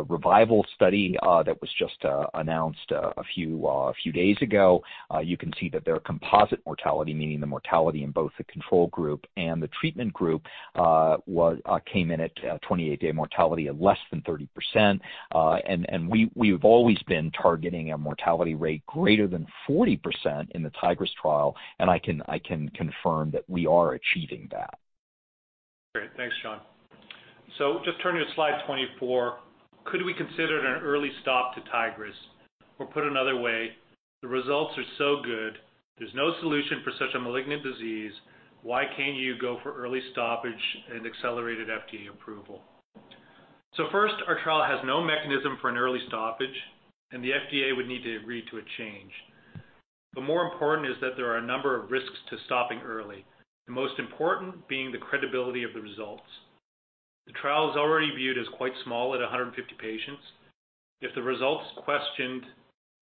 REVIVAL study that was just announced a few days ago, you can see that their composite mortality, meaning the mortality in both the control group and the treatment group, came in at 28-day mortality of less than 30%. We have always been targeting a mortality rate greater than 40% in the Tigris trial. I can confirm that we are achieving that. Great. Thanks, John. Just turning to slide 24. Could we consider an early stop to Tigris? Or put another way, the results are so good, there's no solution for such a malignant disease, why can't you go for early stoppage and accelerated FDA approval? First, our trial has no mechanism for an early stoppage, and the FDA would need to agree to a change. More important is that there are a number of risks to stopping early, the most important being the credibility of the results. The trial is already viewed as quite small at 150 patients. If the result's questioned,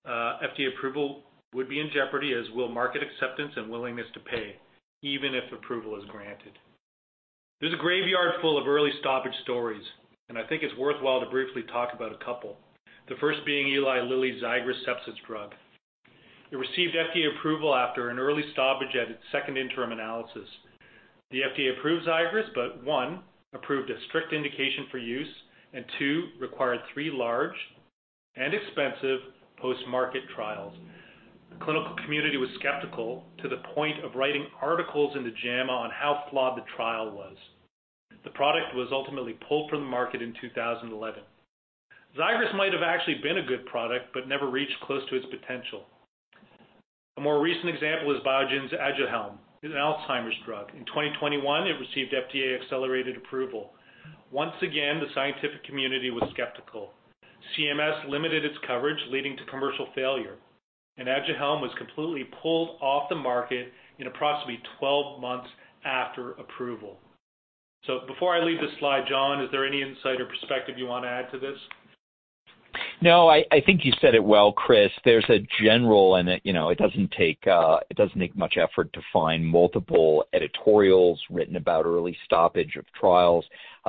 FDA approval would be in jeopardy, as will market acceptance and willingness to pay, even if approval is granted. There's a graveyard full of early stoppage stories, and I think it's worthwhile to briefly talk about a couple. The first being Eli Lilly's Xigris sepsis drug. It received FDA approval after an early stoppage at its second interim analysis. The FDA approved Xigris, one, approved a strict indication for use, and two, required three large and expensive post-market trials. The clinical community was skeptical to the point of writing articles in the JAMA on how flawed the trial was. The product was ultimately pulled from the market in 2011. Xigris might have actually been a good product but never reached close to its potential. A more recent example is Biogen's ADUHELM. It's an Alzheimer's drug. In 2021, it received FDA accelerated approval. Once again, the scientific community was skeptical. CMS limited its coverage, leading to commercial failure, ADUHELM was completely pulled off the market in approximately 12 months after approval. Before I leave this slide, John, is there any insight or perspective you want to add to this? I think you said it well, Chris. It doesn't take much effort to find multiple editorials written about early stoppage of trials.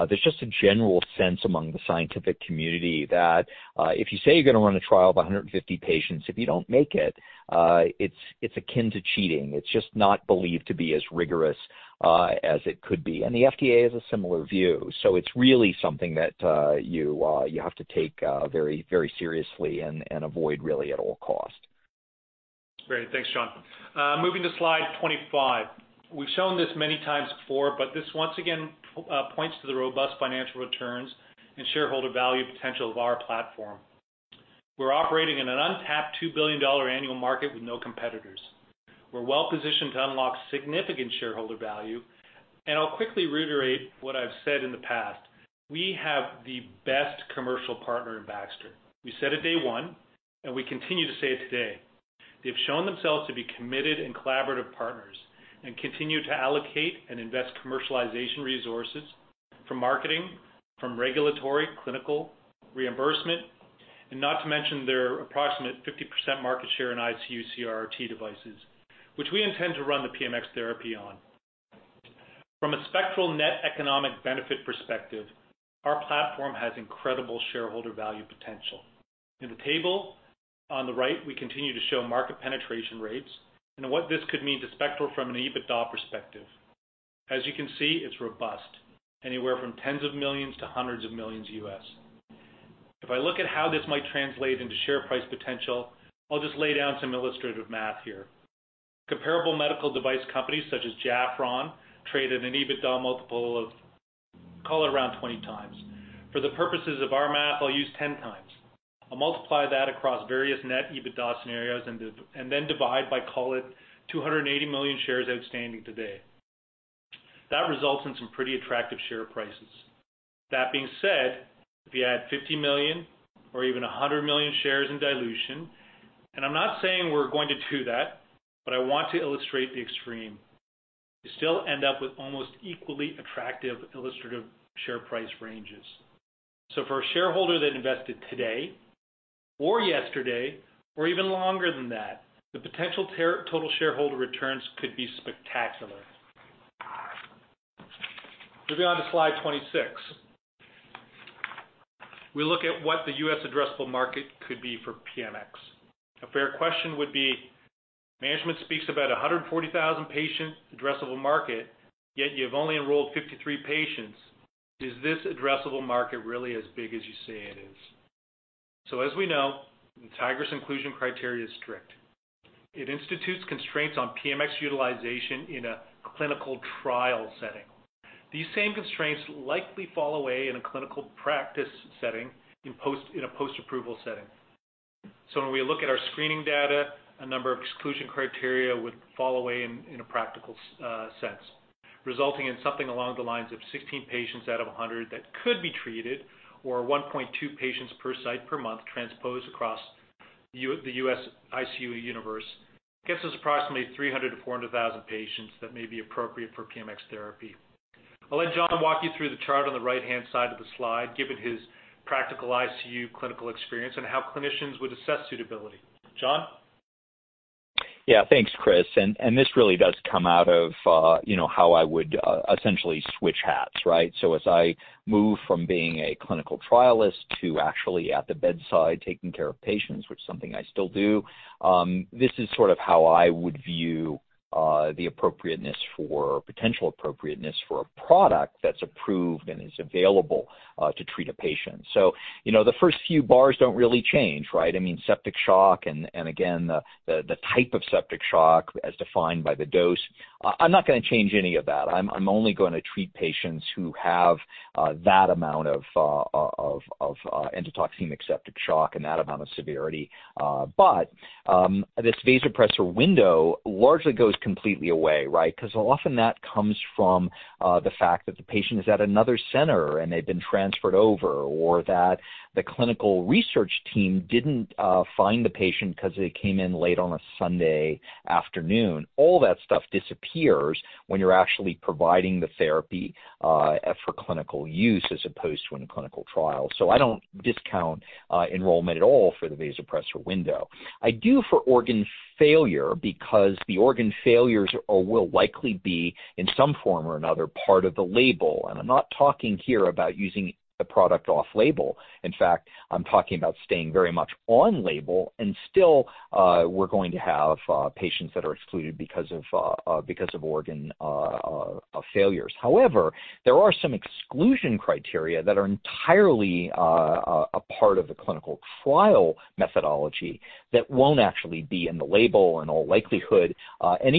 There's just a general sense among the scientific community that if you say you're going to run a trial of 150 patients, if you don't make it's akin to cheating. It's just not believed to be as rigorous as it could be. The FDA has a similar view. It's really something that you have to take very seriously and avoid really at all cost. Great. Thanks, John. Moving to slide 25. We've shown this many times before, but this once again points to the robust financial returns and shareholder value potential of our platform. We're operating in an untapped $2 billion annual market with no competitors. We're well-positioned to unlock significant shareholder value, I'll quickly reiterate what I've said in the past. We have the best commercial partner in Baxter. We said it day one, we continue to say it today. They've shown themselves to be committed and collaborative partners and continue to allocate and invest commercialization resources from marketing, from regulatory, clinical reimbursement, and not to mention their approximate 50% market share in ICU CRRT devices, which we intend to run the PMX therapy on. From a Spectral net economic benefit perspective, our platform has incredible shareholder value potential. In the table on the right, we continue to show market penetration rates and what this could mean to Spectral from an EBITDA perspective. As you can see, it's robust, anywhere from tens of millions to hundreds of millions U.S. If I look at how this might translate into share price potential, I'll just lay down some illustrative math here. Comparable medical device companies such as Jafron trade at an EBITDA multiple of, call it around 20x. For the purposes of our math, I'll use 10x. I'll multiply that across various net EBITDA scenarios and then divide by, call it 280 million shares outstanding today. That results in some pretty attractive share prices. That being said, if you add 50 million or even 100 million shares in dilution, and I'm not saying we're going to do that, but I want to illustrate the extreme. You still end up with almost equally attractive illustrative share price ranges. For a shareholder that invested today or yesterday or even longer than that, the potential total shareholder returns could be spectacular. Moving on to slide 26. We look at what the U.S. addressable market could be for PMX. A fair question would be, management speaks about 140,000 patient addressable market, yet you've only enrolled 53 patients. Is this addressable market really as big as you say it is? As we know, the Tigris inclusion criteria is strict. It institutes constraints on PMX utilization in a clinical trial setting. These same constraints likely fall away in a clinical practice setting in a post-approval setting. When we look at our screening data, a number of exclusion criteria would fall away in a practical sense, resulting in something along the lines of 16 patients out of 100 that could be treated, or 1.2 patients per site per month transposed across the U.S. ICU universe gets us approximately 300,000 to 400,000 patients that may be appropriate for PMX therapy. I'll let John walk you through the chart on the right-hand side of the slide, given his practical ICU clinical experience and how clinicians would assess suitability. John? Yeah. Thanks, Chris. This really does come out of how I would essentially switch hats, right? As I move from being a clinical trialist to actually at the bedside taking care of patients, which is something I still do, this is sort of how I would view the potential appropriateness for a product that's approved and is available to treat a patient. The first few bars don't really change, right? I mean, septic shock and again, the type of septic shock as defined by the dose, I'm not going to change any of that. I'm only going to treat patients who have that amount of endotoxic septic shock and that amount of severity. This vasopressor window largely goes completely away, right? Often that comes from the fact that the patient is at another center and they've been transferred over, or that the clinical research team didn't find the patient because they came in late on a Sunday afternoon. All that stuff disappears when you're actually providing the therapy for clinical use as opposed to in a clinical trial. I don't discount enrollment at all for the vasopressor window. I do for organ failure because the organ failures will likely be, in some form or another, part of the label. I'm not talking here about using a product off label. In fact, I'm talking about staying very much on label and still we're going to have patients that are excluded because of organ failures. However, there are some exclusion criteria that are entirely a part of the clinical trial methodology that won't actually be in the label in all likelihood.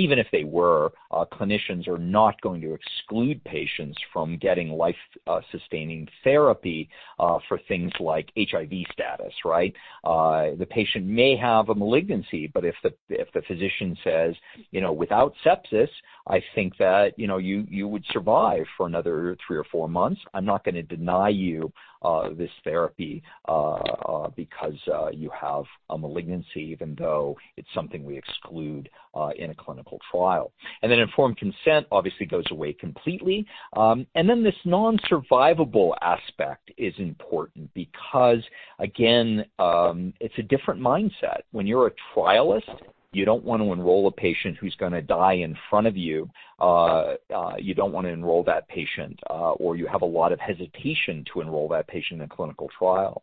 Even if they were, clinicians are not going to exclude patients from getting life-sustaining therapy for things like HIV status, right? The patient may have a malignancy, but if the physician says, "Without sepsis, I think that you would survive for another three or four months. I'm not going to deny you this therapy because you have a malignancy, even though it's something we exclude in a clinical trial." Then informed consent obviously goes away completely. Then this non-survivable aspect is important because, again, it's a different mindset. When you're a trialist, you don't want to enroll a patient who's going to die in front of you. You don't want to enroll that patient, or you have a lot of hesitation to enroll that patient in a clinical trial.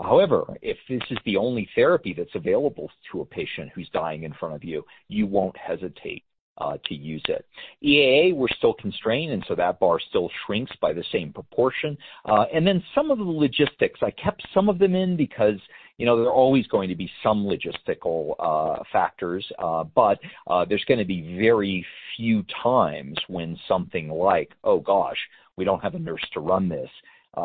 However, if this is the only therapy that's available to a patient who's dying in front of you won't hesitate to use it. EAA, we're still constrained, that bar still shrinks by the same proportion. Some of the logistics, I kept some of them in because there are always going to be some logistical factors. There's going to be very few times when something like, "Oh, gosh, we don't have a nurse to run this."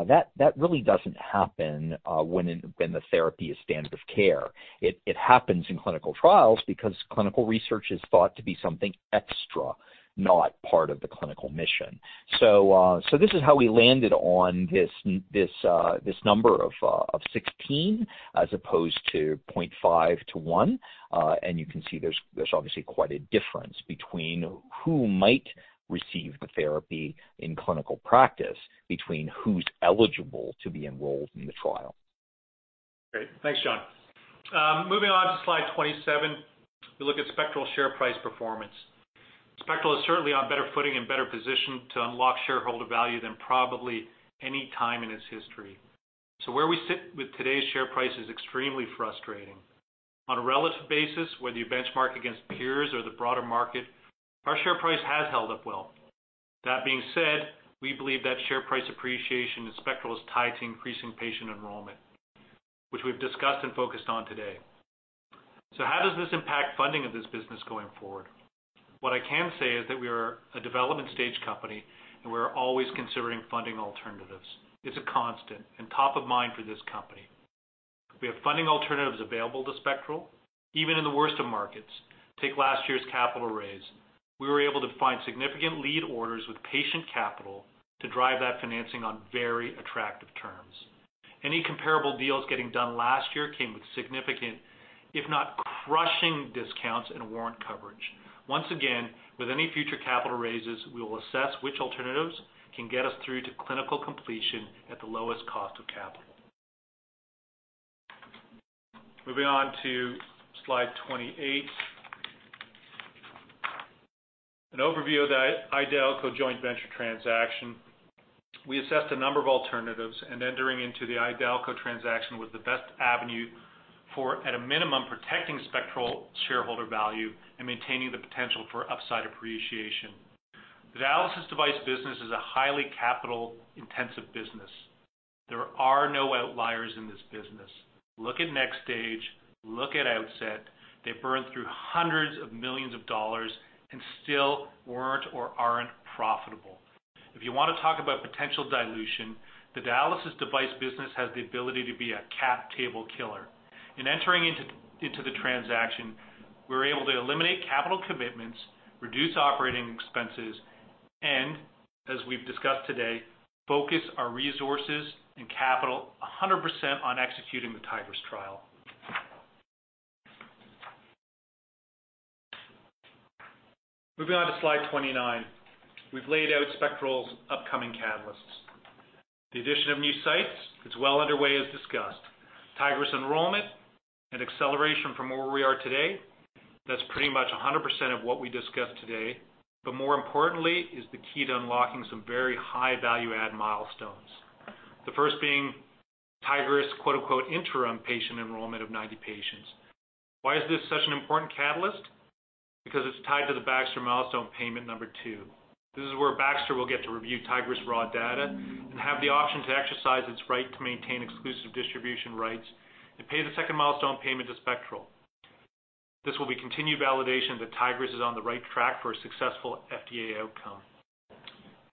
That really doesn't happen when the therapy is standard of care. It happens in clinical trials because clinical research is thought to be something extra, not part of the clinical mission. This is how we landed on this number of 16 as opposed to 0.5-1. You can see there's obviously quite a difference between who might receive the therapy in clinical practice between who's eligible to be enrolled in the trial. Great. Thanks, John. Moving on to slide 27, we look at Spectral share price performance. Spectral is certainly on better footing and better positioned to unlock shareholder value than probably any time in its history. Where we sit with today's share price is extremely frustrating. On a relative basis, whether you benchmark against peers or the broader market, our share price has held up well. That being said, we believe that share price appreciation in Spectral is tied to increasing patient enrollment, which we've discussed and focused on today. How does this impact funding of this business going forward? What I can say is that we are a development stage company, and we're always considering funding alternatives. It's a constant and top of mind for this company. We have funding alternatives available to Spectral, even in the worst of markets. Take last year's capital raise. We were able to find significant lead orders with patient capital to drive that financing on very attractive terms. Any comparable deals getting done last year came with significant, if not crushing, discounts and warrant coverage. Once again, with any future capital raises, we will assess which alternatives can get us through to clinical completion at the lowest cost of capital. Moving on to slide 28. An overview of the i-Dialco joint venture transaction. We assessed a number of alternatives, and entering into the i-Dialco transaction was the best avenue for, at a minimum, protecting Spectral shareholder value and maintaining the potential for upside appreciation. The dialysis device business is a highly capital-intensive business. There are no outliers in this business. Look at NxStage, look at Outset. They burned through hundreds of millions of dollars and still weren't or aren't profitable. If you want to talk about potential dilution, the dialysis device business has the ability to be a cap table killer. In entering into the transaction, we were able to eliminate capital commitments, reduce operating expenses, and, as we've discussed today, focus our resources and capital 100% on executing the Tigris trial. Moving on to slide 29. We've laid out Spectral's upcoming catalysts. The addition of new sites is well underway as discussed. Tigris enrollment and acceleration from where we are today, that's pretty much 100% of what we discussed today. More importantly is the key to unlocking some very high value add milestones. The first being Tigris, quote-unquote, "interim patient enrollment of 90 patients." Why is this such an important catalyst? It's tied to the Baxter milestone payment number two. This is where Baxter will get to review Tigris' raw data and have the option to exercise its right to maintain exclusive distribution rights and pay the second milestone payment to Spectral. This will be continued validation that Tigris is on the right track for a successful FDA outcome.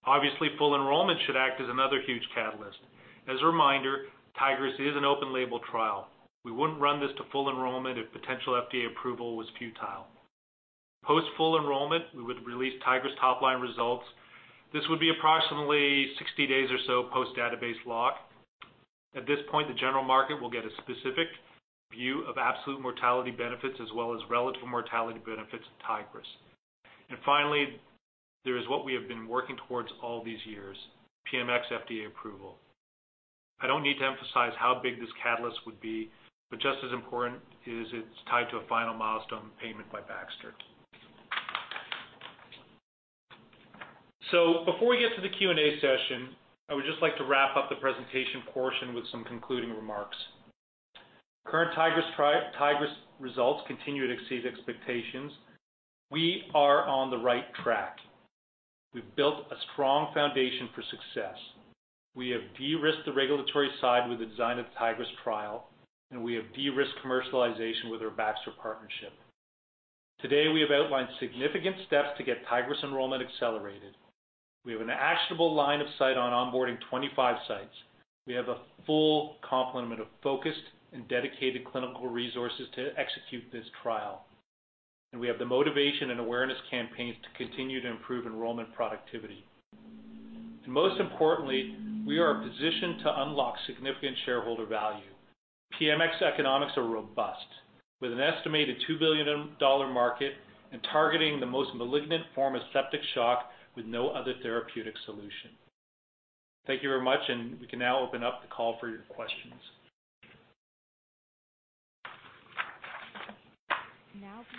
Obviously, full enrollment should act as another huge catalyst. As a reminder, Tigris is an open label trial. We wouldn't run this to full enrollment if potential FDA approval was futile. Post full enrollment, we would release Tigris top line results. This would be approximately 60 days or so post database lock. At this point, the general market will get a specific view of absolute mortality benefits as well as relative mortality benefits of Tigris. Finally, there is what we have been working towards all these years, PMX FDA approval. I don't need to emphasize how big this catalyst would be, but just as important is it's tied to a final milestone payment by Baxter. Before we get to the Q&A session, I would just like to wrap up the presentation portion with some concluding remarks. Current Tigris results continue to exceed expectations. We are on the right track. We've built a strong foundation for success. We have de-risked the regulatory side with the design of the Tigris trial, and we have de-risked commercialization with our Baxter partnership. Today, we have outlined significant steps to get Tigris enrollment accelerated. We have an actionable line of sight on onboarding 25 sites. We have a full complement of focused and dedicated clinical resources to execute this trial. We have the motivation and awareness campaigns to continue to improve enrollment productivity. Most importantly, we are positioned to unlock significant shareholder value. PMX economics are robust, with an estimated $2 billion market and targeting the most malignant form of septic shock with no other therapeutic solution. Thank you very much. We can now open up the call for your questions.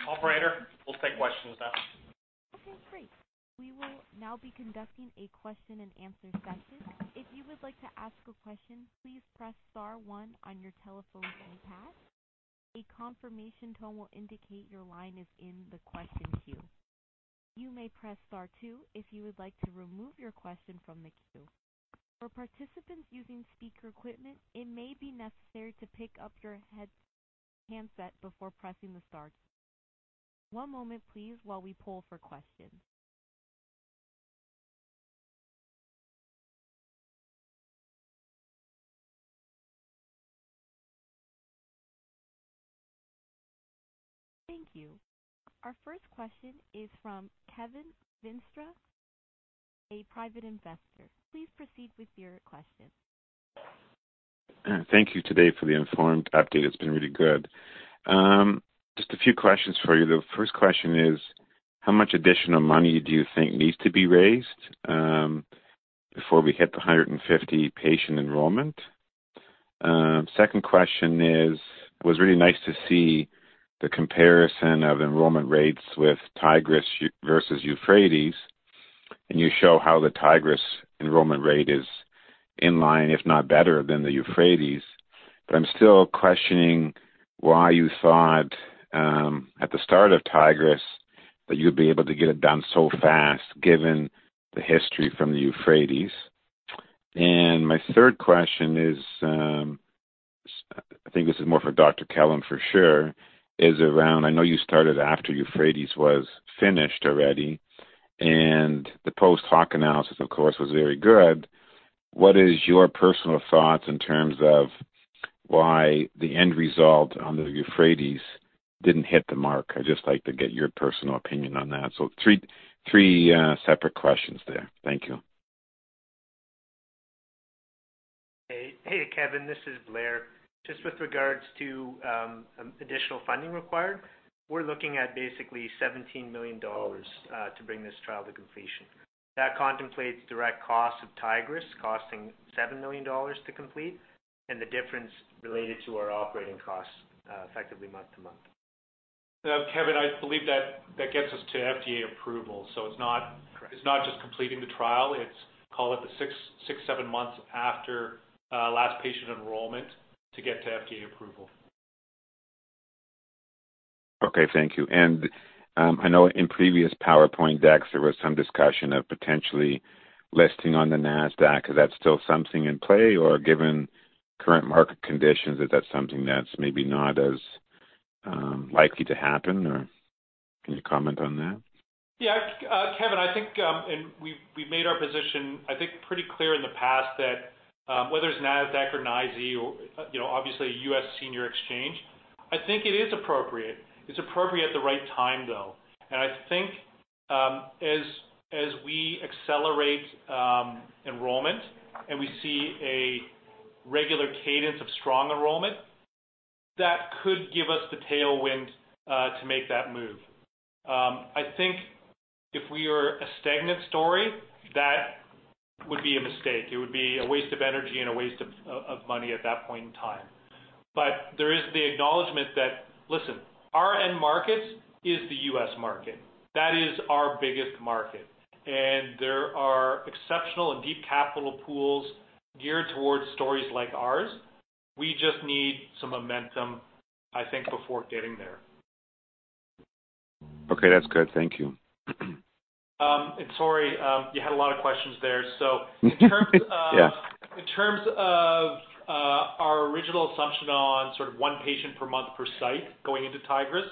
Operator, we'll take questions now. Okay, great. We will now be conducting a question and answer session. If you would like to ask a question, please press star one on your telephone keypad. A confirmation tone will indicate your line is in the question queue. You may press star two if you would like to remove your question from the queue. Our participants using speaker equipment, it maybe necessary to pick-up your handset before pressing the star keys. One moment please while we pull for questions. Thank you. Our first question is from Kevin Veenstra, a private investor. Please proceed with your question. Thank you today for the informed update. It's been really good. Just a few questions for you. The first question is, how much additional money do you think needs to be raised before we hit the 150 patient enrollment? Second question is, it was really nice to see the comparison of enrollment rates with Tigris versus EUPHRATES, and you show how the Tigris enrollment rate is in line, if not better than the EUPHRATES. I'm still questioning why you thought, at the start of Tigris, that you'd be able to get it done so fast given the history from the EUPHRATES. My third question is, I think this is more for Dr. Kellum for sure, is around, I know you started after EUPHRATES was finished already, and the post hoc analysis, of course, was very good. What is your personal thoughts in terms of why the end result on the EUPHRATES didn't hit the mark? I'd just like to get your personal opinion on that. Three separate questions there. Thank you. Hey, Kevin. This is Blair. Just with regards to additional funding required, we're looking at basically $17 million to bring this trial to completion. That contemplates direct costs of Tigris costing $7 million to complete, and the difference related to our operating costs effectively month to month. Kevin, I believe that gets us to FDA approval. It's not just completing the trial. It's, call it the six, seven months after last patient enrollment to get to FDA approval. Okay. Thank you. I know in previous PowerPoint decks, there was some discussion of potentially listing on the Nasdaq. Is that still something in play, or given current market conditions, is that something that's maybe not as likely to happen, or can you comment on that? Yeah. Kevin, I think we've made our position pretty clear in the past that whether it's Nasdaq or NYSE or obviously a U.S. senior exchange, I think it is appropriate. It's appropriate at the right time, though. I think as we accelerate enrollment and we see a regular cadence of strong enrollment, that could give us the tailwind to make that move. I think if we are a stagnant story, that would be a mistake. It would be a waste of energy and a waste of money at that point in time. There is the acknowledgment that, listen, our end market is the U.S. market. That is our biggest market, and there are exceptional and deep capital pools geared towards stories like ours. We just need some momentum, I think, before getting there. Okay. That's good. Thank you. Sorry, you had a lot of questions there. Yeah. In terms of our original assumption on sort of one patient per month per site going into Tigris,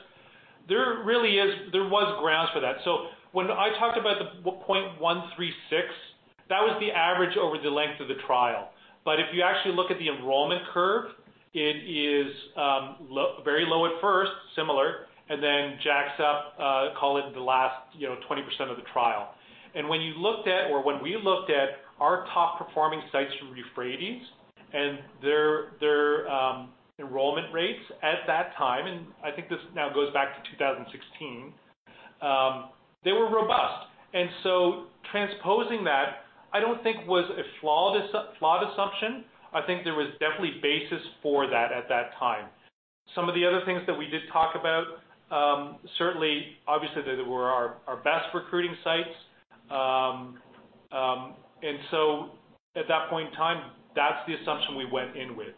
there was grounds for that. When I talked about the 0.136, that was the average over the length of the trial. If you actually look at the enrollment curve, it is very low at first, similar, and then jacks up, call it the last 20% of the trial. When you looked at or when we looked at our top-performing sites from EUPHRATES and their enrollment rates at that time, I think this now goes back to 2016, they were robust. Transposing that, I don't think was a flawed assumption. I think there was definitely basis for that at that time. Some of the other things that we did talk about, certainly, obviously, they were our best recruiting sites. At that point in time, that's the assumption we went in with.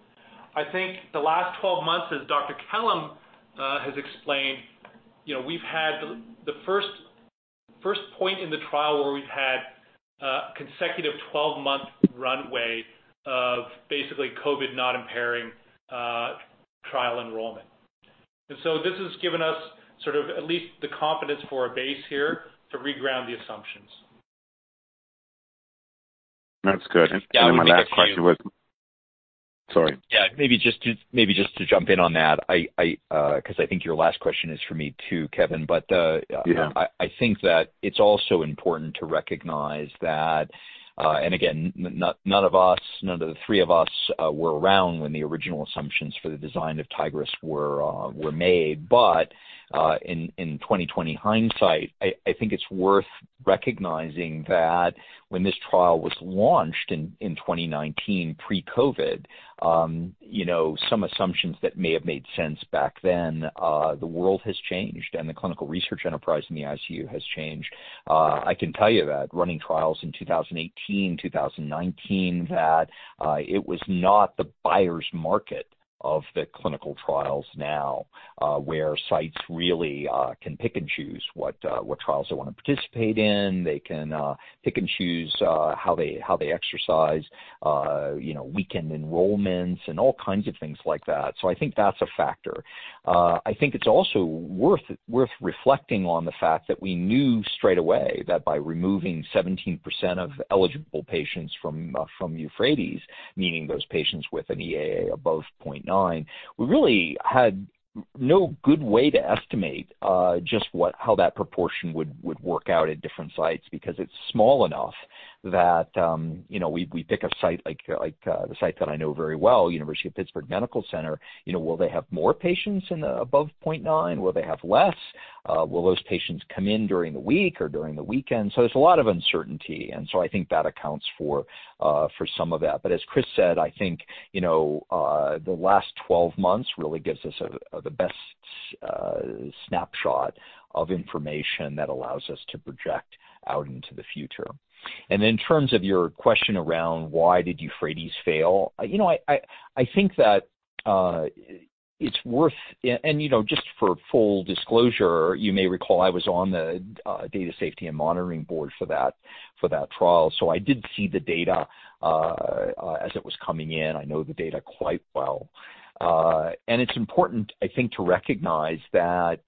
I think the last 12 months, as Dr. Kellum has explained, we've had the first point in the trial where we've had consecutive 12-month runway of basically COVID not impairing trial enrollment. This has given us sort of at least the confidence for a base here to reground the assumptions. That's good. Sorry. Yeah, maybe just to jump in on that, because I think your last question is for me too, Kevin. Yeah. I think that it's also important to recognize that, and again, none of us, none of the three of us were around when the original assumptions for the design of Tigris were made. In 2020 hindsight, I think it's worth recognizing that when this trial was launched in 2019 pre-COVID, some assumptions that may have made sense back then, the world has changed and the clinical research enterprise in the ICU has changed. I can tell you that running trials in 2018, 2019, that it was not the buyer's market of the clinical trials now, where sites really can pick and choose what trials they want to participate in. They can pick and choose how they exercise weekend enrollments and all kinds of things like that. I think that's a factor. I think it's also worth reflecting on the fact that we knew straight away that by removing 17% of eligible patients from EUPHRATES, meaning those patients with an EAA above 0.9, we really had no good way to estimate just how that proportion would work out at different sites, because it's small enough that we pick a site, like the site that I know very well, University of Pittsburgh Medical Center. Will they have more patients above 0.9? Will they have less? Will those patients come in during the week or during the weekend? There's a lot of uncertainty. I think that accounts for some of that. As Chris said, I think, the last 12 months really gives us the best snapshot of information that allows us to project out into the future. In terms of your question around why did EUPHRATES fail. Just for full disclosure, you may recall I was on the data safety and monitoring board for that trial. I did see the data as it was coming in. I know the data quite well. It's important, I think, to recognize that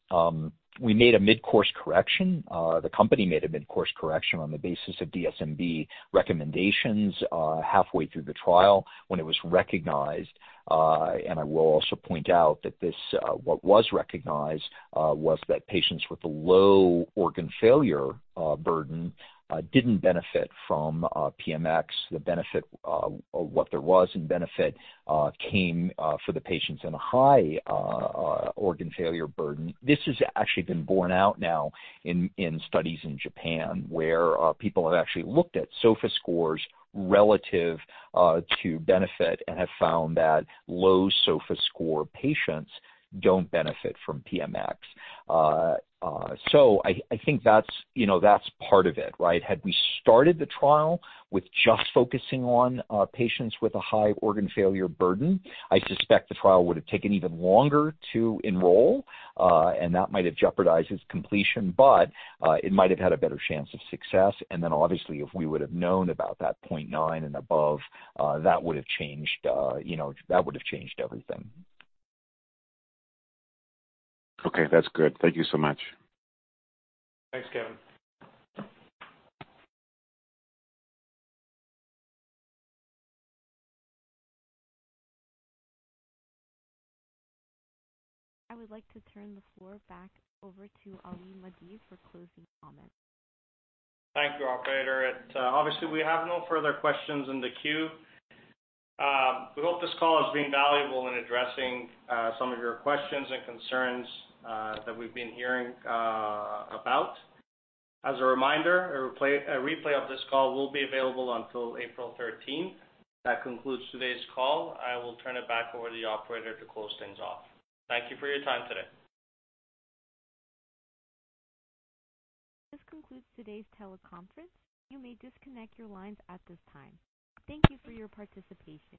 we made a mid-course correction. The company made a mid-course correction on the basis of DSMB recommendations halfway through the trial when it was recognized. I will also point out that what was recognized was that patients with a low organ failure burden didn't benefit from PMX. The benefit, or what there was in benefit, came for the patients in a high organ failure burden. This has actually been borne out now in studies in Japan, where people have actually looked at SOFA scores relative to benefit and have found that low SOFA score patients don't benefit from PMX. I think that's part of it, right? Had we started the trial with just focusing on patients with a high organ failure burden, I suspect the trial would have taken even longer to enroll, and that might have jeopardized its completion. It might have had a better chance of success. Obviously, if we would have known about that 0.9 and above, that would have changed everything. Okay, that's good. Thank you so much. Thanks, Kevin. I would like to turn the floor back over to Ali Mahdavi for closing comments. Thank you, operator. Obviously, we have no further questions in the queue. We hope this call has been valuable in addressing some of your questions and concerns that we've been hearing about. As a reminder, a replay of this call will be available until April 13th. That concludes today's call. I will turn it back over to the operator to close things off. Thank you for your time today. This concludes today's teleconference. You may disconnect your lines at this time. Thank you for your participation.